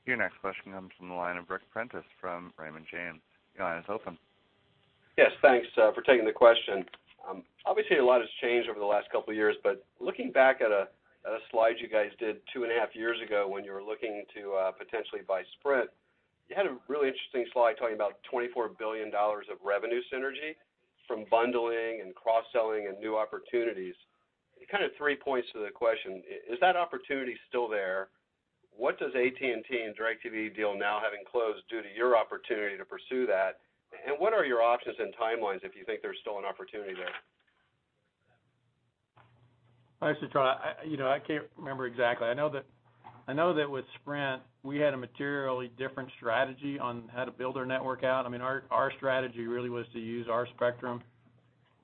Your next question comes from the line of Ric Prentiss from Raymond James. Your line is open. Yes, thanks for taking the question. Obviously, a lot has changed over the last couple years, but looking back at a slide you guys did two and a half years ago when you were looking to potentially buy Sprint, you had a really interesting slide talking about $24 billion of revenue synergy from bundling and cross-selling and new opportunities. Kind of three points to the question. Is that opportunity still there? What does AT&T and DirecTV deal now having closed do to your opportunity to pursue that? What are your options and timelines if you think there's still an opportunity there? Actually, you know, I can't remember exactly. I know that with Sprint, we had a materially different strategy on how to build our network out. I mean, our strategy really was to use our spectrum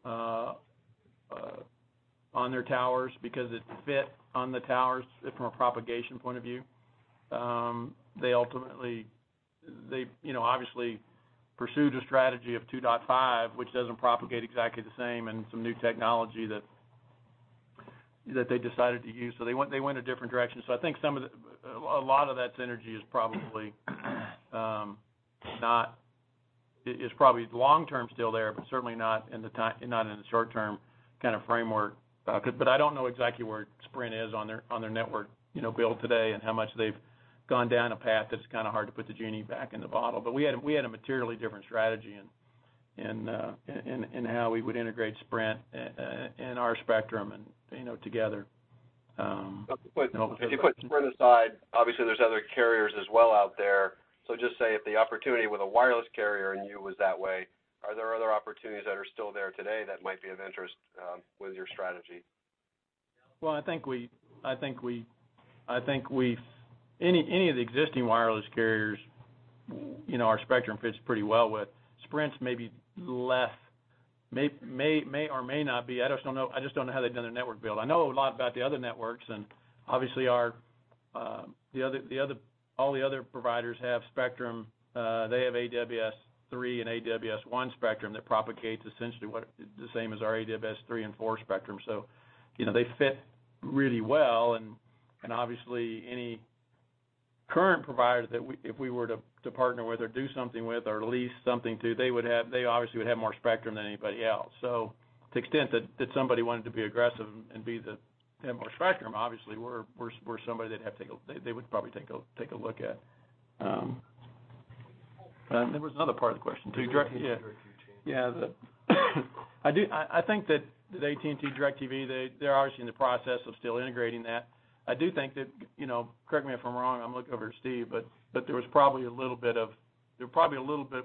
on their towers because it fit on the towers from a propagation point of view. They ultimately, you know, obviously pursued a strategy of two and a half, which doesn't propagate exactly the same, and some new technology that they decided to use. They went a different direction. I think a lot of that synergy is probably long-term still there, but certainly not in the short-term kind of framework. But I don't know exactly where Sprint is on their network, you know, build today and how much they've gone down a path that's kinda hard to put the genie back in the bottle. We had a materially different strategy in how we would integrate Sprint in our spectrum and, you know, together. If you put Sprint aside, obviously there's other carriers as well out there. Just say if the opportunity with a wireless carrier and you was that way, are there other opportunities that are still there today that might be of interest with your strategy? Well, I think we've Any of the existing wireless carriers, you know, our spectrum fits pretty well with. Sprint maybe less, may or may not be. I just don't know how they've done their network build. I know a lot about the other networks and obviously our, the other, all the other providers have spectrum. They have AWS-3 and AWS-1 spectrum that propagates essentially the same as our AWS-3 and AWS-4 spectrum. You know, they fit really well and obviously any current provider that if we were to partner with or do something with or lease something to, they obviously would have more spectrum than anybody else. To the extent that somebody wanted to be aggressive and be the, have more spectrum, obviously we're somebody they would probably take a look at. There was another part of the question too. I think that AT&T, DirecTV, they're obviously in the process of still integrating that. I do think that, you know, correct me if I'm wrong, I'm looking over to Steve, but there probably a little bit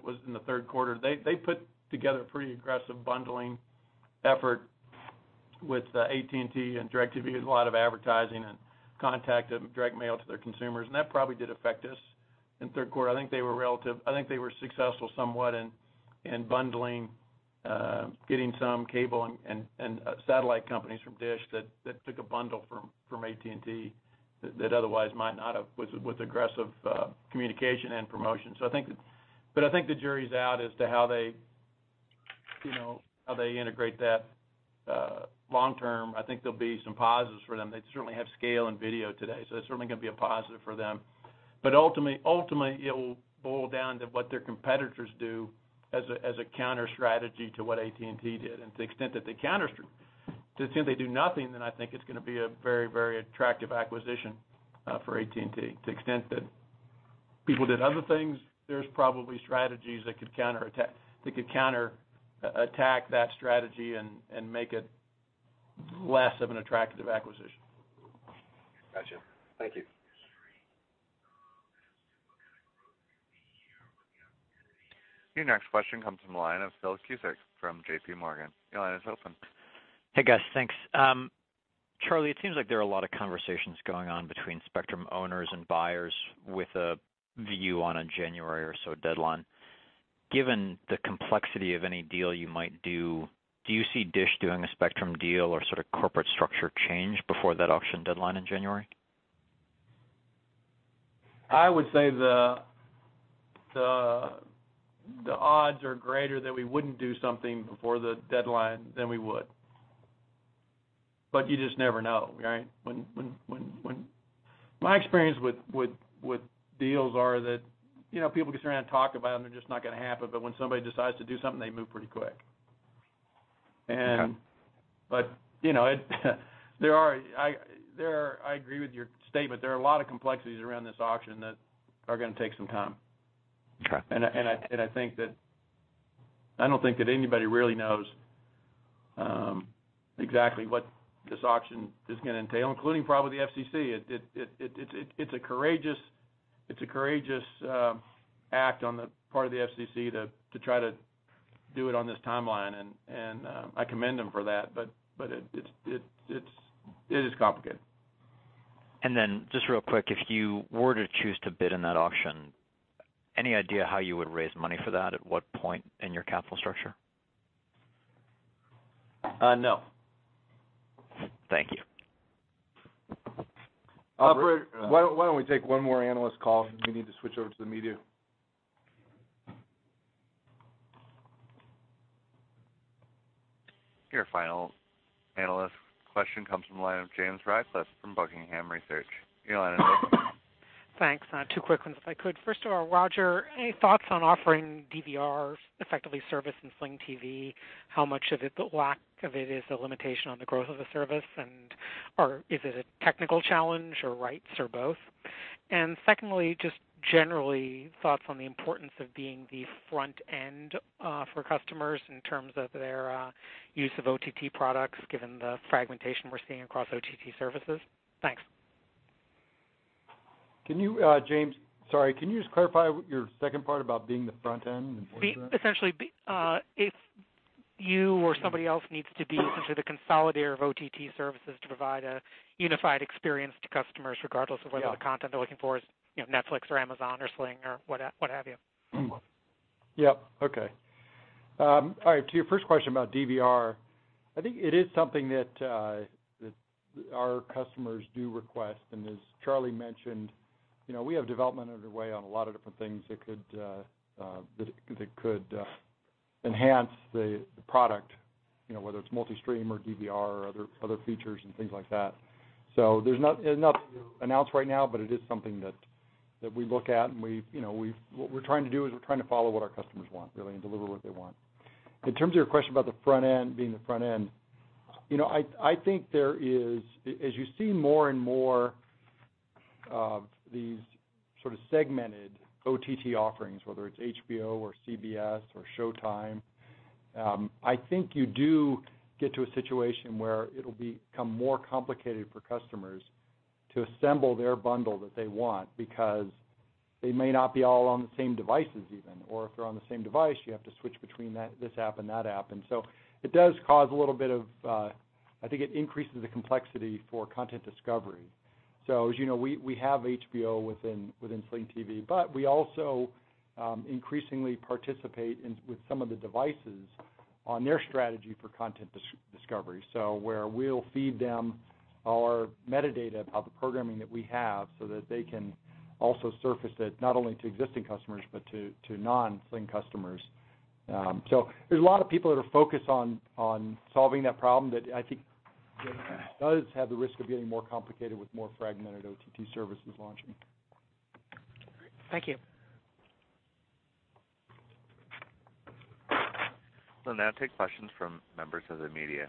was in the third quarter. They put together a pretty aggressive bundling effort with AT&T and DirecTV. There's a lot of advertising and contact and direct mail to their consumers, that probably did affect us in the third quarter. I think they were successful somewhat in bundling, getting some cable and satellite companies from DISH that took a bundle from AT&T that otherwise might not have with aggressive communication and promotion. I think the jury's out as to how they, you know, how they integrate that long term. I think there'll be some positives for them. They certainly have scale and video today. It's certainly gonna be a positive for them. Ultimately, it will boil down to what their competitors do as a counter strategy to what AT&T did. To the extent that they do nothing, I think it's gonna be a very attractive acquisition for AT&T. To the extent that people did other things, there's probably strategies that could counterattack that strategy and make it less of an attractive acquisition. Gotcha. Thank you. Your next question comes from the line of Phil Cusick from JPMorgan. Your line is open. Hey, guys. Thanks. Charlie, it seems like there are a lot of conversations going on between spectrum owners and buyers with a view on a January or so deadline. Given the complexity of any deal you might do you see DISH doing a spectrum deal or sort of corporate structure change before that auction deadline in January? I would say the odds are greater that we wouldn't do something before the deadline than we would. You just never know, right? When My experience with deals are that, you know, people can sit around and talk about them, they're just not gonna happen. When somebody decides to do something, they move pretty quick. Okay. You know, I agree with your statement. There are a lot of complexities around this auction that are gonna take some time. Okay. I think that, I don't think that anybody really knows exactly what this auction is gonna entail, including probably the FCC. It's a courageous act on the part of the FCC to try to do it on this timeline. I commend them for that. It is complicated. Just real quick, if you were to choose to bid in that auction, any idea how you would raise money for that? At what point in your capital structure? No. Thank you. Operator. Why don't we take one more analyst call since we need to switch over to the media? Your final analyst question comes from the line of James Ratcliffe from Buckingham Research. Your line is open. Thanks. Two quick ones, if I could. First of all, Roger, any thoughts on offering DVRs effectively service in Sling TV? How much of it, the lack of it is a limitation on the growth of the service and, or is it a technical challenge or rights or both? Secondly, just generally thoughts on the importance of being the front end for customers in terms of their use of OTT products, given the fragmentation we're seeing across OTT services? Thanks. Can you, James, sorry, can you just clarify what your second part about being the front end and the importance of that? Essentially, if you or somebody else needs to be sort of the consolidator of OTT services to provide a unified experience to customers. The content they're looking for is, you know, Netflix or Amazon or Sling or what have you. Yeah. Okay. All right. To your first question about DVR, I think it is something that our customers do request. As Charlie mentioned, you know, we have development underway on a lot of different things that could enhance the product, you know, whether it's multi-stream or DVR or other features and things like that. There's nothing to announce right now, but it is something that we look at and we, you know, we're trying to do is we're trying to follow what our customers want, really, and deliver what they want. In terms of your question about the front end, being the front end, you know, I think there is, as you see more and more of these sort of segmented OTT offerings, whether it's HBO or CBS or Showtime, I think you do get to a situation where it'll become more complicated for customers to assemble their bundle that they want because they may not be all on the same devices even. If they're on the same device, you have to switch between that, this app and that app. It does cause a little bit of, I think it increases the complexity for content discovery. As you know, we have HBO within Sling TV. We also increasingly participate in, with some of the devices on their strategy for content discovery. Where we'll feed them our metadata about the programming that we have so that they can also surface it not only to existing customers, but to non-Sling customers. There's a lot of people that are focused on solving that problem that I think does have the risk of getting more complicated with more fragmented OTT services launching. Great. Thank you. We'll now take questions from members of the media.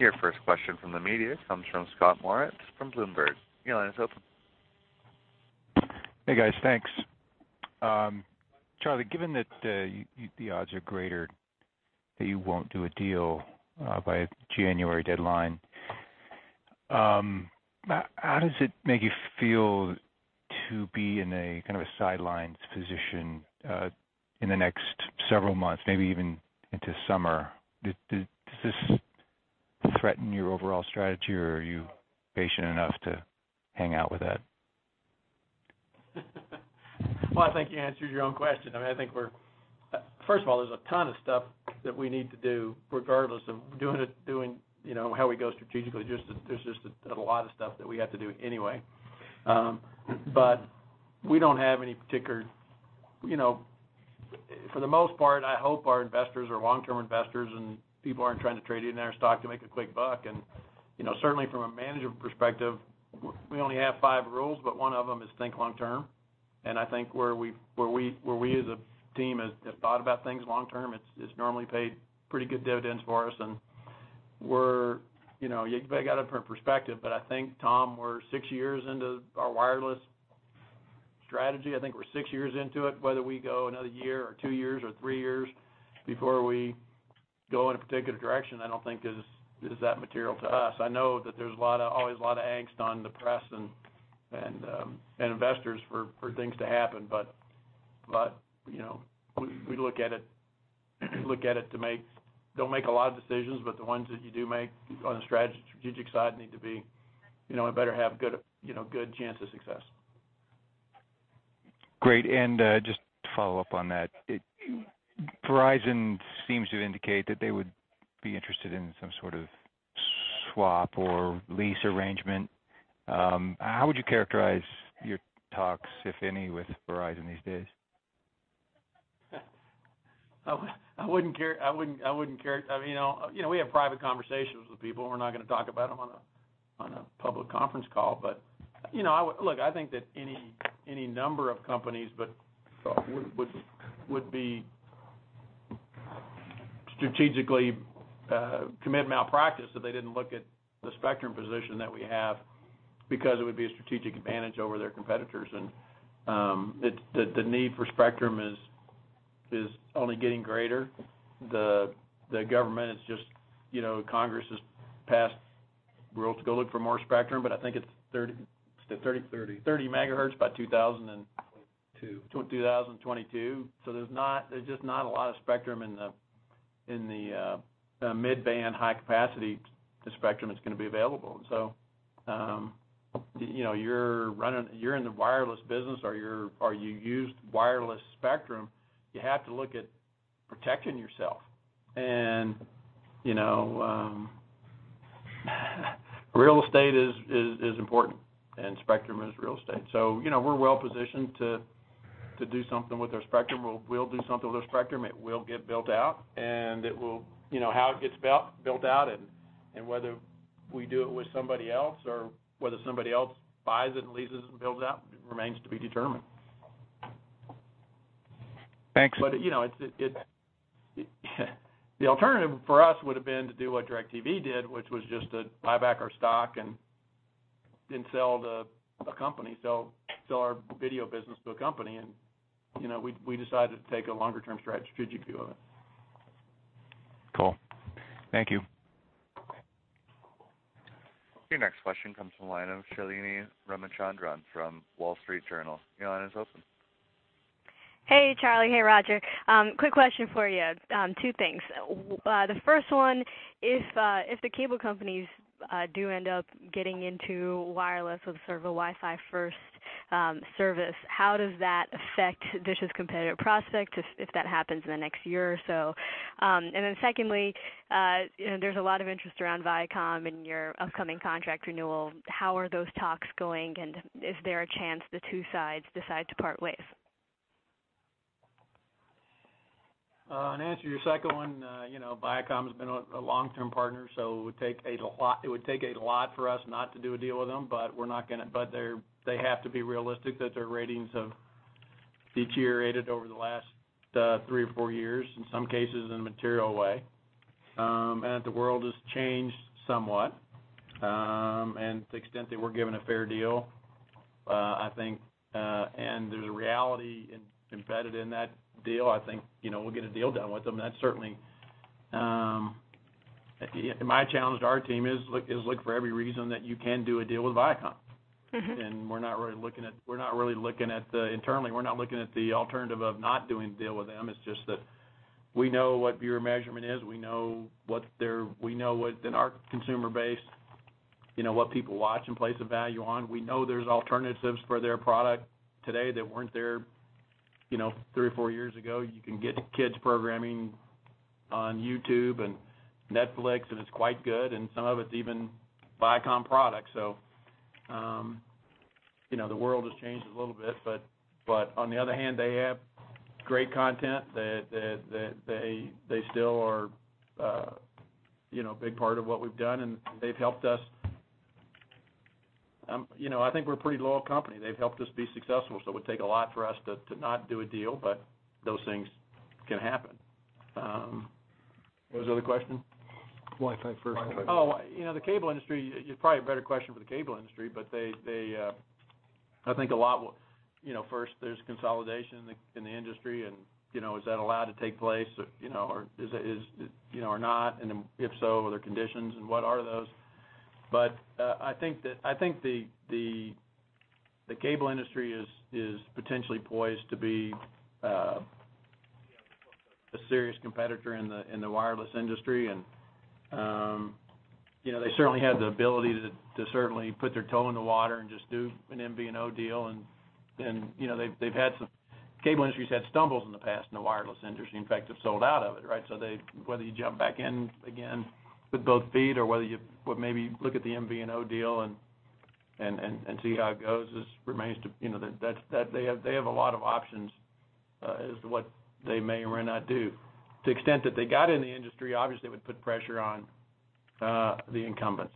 Your first question from the media comes from Scott Moritz from Bloomberg. Hey, guys. Thanks. Charlie, given that the odds are greater that you won't do a deal by January deadline, how does it make you feel to be in a kind of a sidelines position in the next several months, maybe even into summer? Does this threaten your overall strategy or are you patient enough to hang out with that? Well, I think you answered your own question. I mean, I think First of all, there's a ton of stuff that we need to do regardless of doing it, you know, how we go strategically. Just, there's just a lot of stuff that we have to do anyway. We don't have any particular You know, for the most part, I hope our investors are long-term investors and people aren't trying to trade in their stock to make a quick buck. You know, certainly from a management perspective, we only have five rules, one of them is think long term. I think where we as a team have thought about things long term, it's normally paid pretty good dividends for us. We're, you know, you may get a different perspective, but I think, Tom, we're six years into our wireless strategy. I think we're six years into it. Whether we go another year or two years or three years before we go in a particular direction, I don't think is that material to us. I know that there's always a lot of angst on the press and investors for things to happen. You know, we look at it to make Don't make a lot of decisions, but the ones that you do make on the strategic side need to be, you know, it better have good, you know, good chance of success. Great. Just to follow up on that, Verizon seems to indicate that they would be interested in some sort of swap or lease arrangement. How would you characterize your talks, if any, with Verizon these days? I mean, you know, we have private conversations with people. We're not gonna talk about them on a public conference call. You know, I would Look, I think that any number of companies would be strategically commit malpractice if they didn't look at the spectrum position that we have because it would be a strategic advantage over their competitors. The need for spectrum is only getting greater. The government is just, you know, Congress has passed rules to go look for more spectrum, but I think it's 30 MHz by 2022. There's just not a lot of spectrum in the mid-band high capacity spectrum that's gonna be available. You know, you're in the wireless business or you use wireless spectrum, you have to look at protecting yourself. You know, real estate is important, and spectrum is real estate. You know, we're well positioned to do something with our spectrum. We'll do something with our spectrum. It will get built out, and it will. You know, how it gets built out and whether we do it with somebody else or whether somebody else buys it and leases and builds it out remains to be determined. Thanks. You know, it's The alternative for us would have been to do what DirecTV did, which was just to buy back our stock and then sell the company, sell our video business to a company. You know, we decided to take a longer term strategic view of it. Cool. Thank you. Your next question comes from the line of Shalini Ramachandran from The Wall Street Journal. Your line is open. Hey, Charlie. Hey, Roger. quick question for you. two things. The first one, if the cable companies do end up getting into wireless with sort of a Wi-Fi first service, how does that affect DISH's competitive prospect if that happens in the next year or so? Then secondly, you know, there's a lot of interest around Viacom and your upcoming contract renewal. How are those talks going, and is there a chance the two sides decide to part ways? To answer your second one, you know, Viacom has been a long-term partner, so it would take a lot for us not to do a deal with them. They have to be realistic that their ratings have deteriorated over the last three or four years, in some cases in a material way, and that the world has changed somewhat. To the extent that we're given a fair deal, I think, and there's a reality in competitive in that deal, I think, you know, we'll get a deal done with them. That's certainly. My challenge to our team is look for every reason that you can do a deal with Viacom. We're not really looking at the alternative of not doing a deal with them. It's just that we know what viewer measurement is. We know what in our consumer base, you know, what people watch and place a value on. We know there's alternatives for their product today that weren't there, you know, three or four years ago. You can get kids programming on YouTube and Netflix, it's quite good, some of it's even Viacom products. You know, the world has changed a little bit. On the other hand, they have great content that they still are, you know, a big part of what we've done, they've helped us. You know, I think we're a pretty loyal company. They've helped us be successful, so it would take a lot for us to not do a deal, but those things can happen. What was the other question? Wi-Fi first. Oh, you know, the cable industry, it's probably a better question for the cable industry, but they, I think a lot will You know, first there's consolidation in the industry and, you know, is that allowed to take place, you know, or is it, is, you know, or not? If so, are there conditions, and what are those? I think the cable industry is potentially poised to be A serious competitor in the wireless industry and, you know, they certainly have the ability to certainly put their toe in the water and just do an MVNO deal and then, you know, they've had some cable industry's had stumbles in the past in the wireless industry, in fact, have sold out of it, right? Whether you jump back in again with both feet or whether you, well, maybe look at the MVNO deal and see how it goes remains to. You know, that's, they have a lot of options as to what they may or may not do. To the extent that they got in the industry, obviously it would put pressure on the incumbents,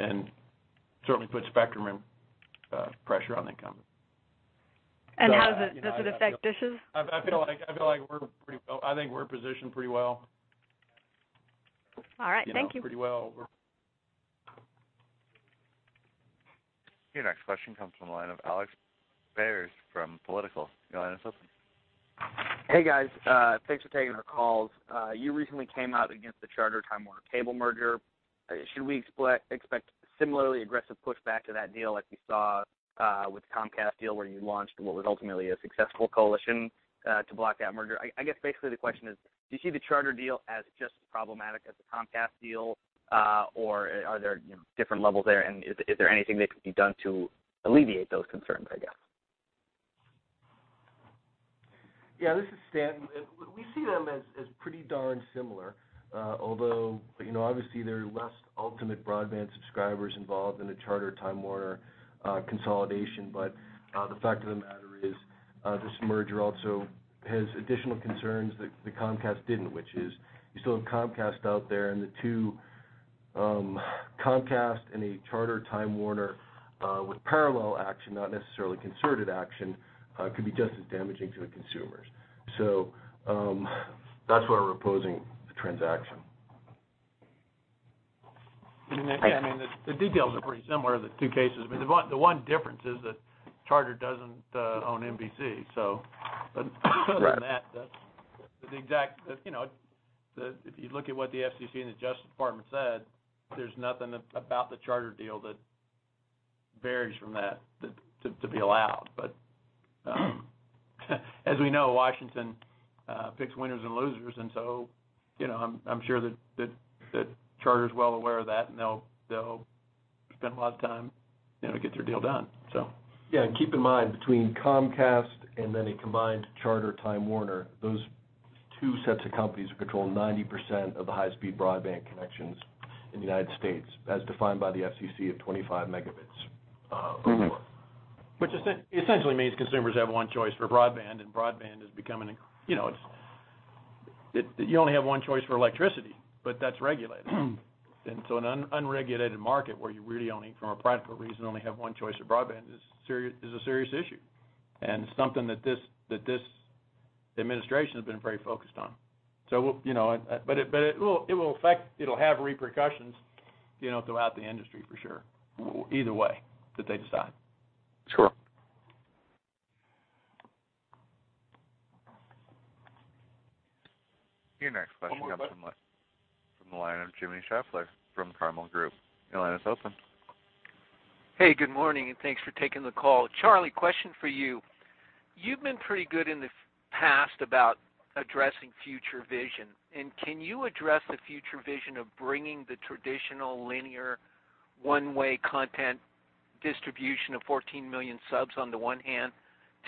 and certainly put spectrum and pressure on incumbents. How does it affect DISH's? I feel like I think we're positioned pretty well. All right. Thank you. You know, pretty well. Your next question comes from the line of Alex [inaudible] from Politico. Your line is open. Hey, guys. Thanks for taking our calls. You recently came out against the Charter-Time Warner Cable merger. Should we expect similarly aggressive pushback to that deal like we saw with the Comcast deal where you launched what was ultimately a successful coalition to block that merger? I guess basically the question is: Do you see the Charter deal as just problematic as the Comcast deal, or are there, you know, different levels there, and is there anything that can be done to alleviate those concerns, I guess? Yeah, this is Stan. We see them as pretty darn similar, although, you know, obviously there are less ultimate broadband subscribers involved in the Charter-Time Warner consolidation. The fact of the matter is, this merger also has additional concerns that the Comcast didn't, which is you still have Comcast out there and the two, Comcast and a Charter-Time Warner, with parallel action, not necessarily concerted action, could be just as damaging to the consumers. That's why we're opposing the transaction. Okay. I mean, the details are pretty similar, the two cases. I mean, the one difference is that Charter doesn't own NBC. Other than that. That's the exact, you know, if you look at what the FCC and the Justice Department said, there's nothing about the Charter deal that varies from that to be allowed. As we know, Washington picks winners and losers. You know, I'm sure that Charter's well aware of that and they'll spend a lot of time, you know, to get their deal done. Yeah, Keep in mind, between Comcast and then a combined Charter-Time Warner, those two sets of companies control 90% of the high-speed broadband connections in the U.S., as defined by the FCC at 25 Mb or more. Which essentially means consumers have one choice for broadband, and broadband is becoming a, you know. You only have one choice for electricity, but that's regulated. In an unregulated market where you really only, from a practical reason, only have one choice of broadband is a serious issue, and something that this administration has been very focused on. You know, but it will affect, it'll have repercussions, you know, throughout the industry for sure, either way that they decide. Sure. Your next question comes from the line of Jimmy Schaeffler from The Carmel Group. Your line is open. Hey, good morning and thanks for taking the call. Charlie, question for you. You've been pretty good in the past about addressing future vision, and can you address the future vision of bringing the traditional linear one-way content distribution of 14 million subs on the one hand,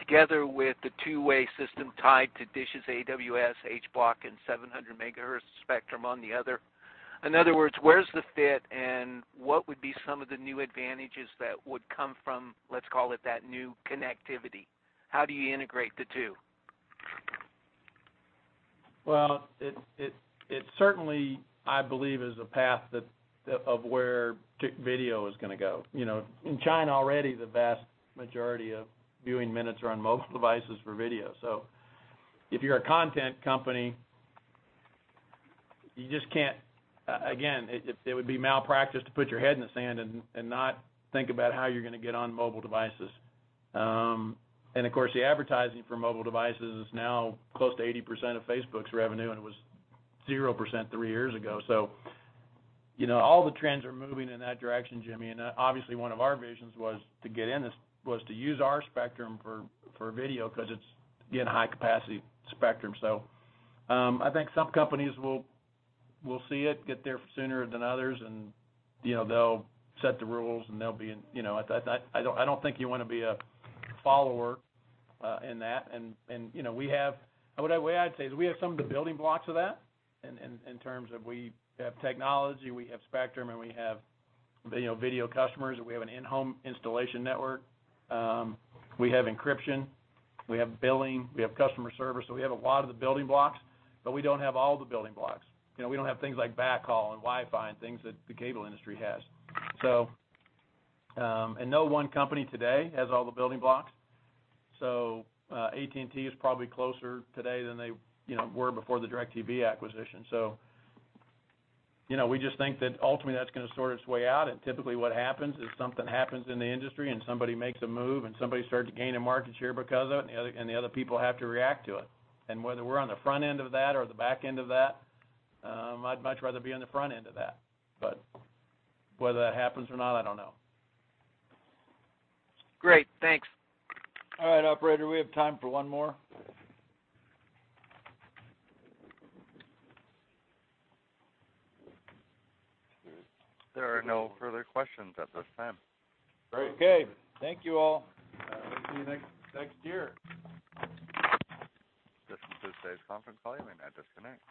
together with the two-way system tied to DISH's AWS, H Block, and 700 MHz spectrum on the other? In other words, where's the fit and what would be some of the new advantages that would come from, let's call it, that new connectivity? How do you integrate the two? Well, it certainly, I believe, is a path that of where video is gonna go. You know, in China already the vast majority of viewing minutes are on mobile devices for video. If you're a content company, you just can't again, it would be malpractice to put your head in the sand and not think about how you're gonna get on mobile devices. Of course the advertising for mobile devices is now close to 80% of Facebook's revenue, and it was 0% three years ago. You know, all the trends are moving in that direction, Jimmy, and obviously one of our visions was to get in this, was to use our spectrum for video 'cause it's, again, high capacity spectrum. I think some companies will see it, get there sooner than others and, you know, they'll set the rules and they'll be in, you know I don't think you wanna be a follower in that. You know, the way I'd say is we have some of the building blocks of that in terms of we have technology, we have spectrum, and we have video customers, and we have an in-home installation network. We have encryption, we have billing, we have customer service. We have a lot of the building blocks, but we don't have all the building blocks. You know, we don't have things like backhaul and Wi-Fi and things that the cable industry has. And no one company today has all the building blocks. AT&T is probably closer today than they, you know, were before the DirecTV acquisition. You know, we just think that ultimately that's gonna sort its way out, and typically what happens is something happens in the industry and somebody makes a move, and somebody starts to gain a market share because of it, and the other people have to react to it. Whether we're on the front end of that or the back end of that, I'd much rather be on the front end of that. Whether that happens or not, I don't know. Great. Thanks. All right. Operator, we have time for one more. There are no further questions at this time. Great. Okay. Thank you all. We'll see you next year. This concludes today's conference call. You may now disconnect.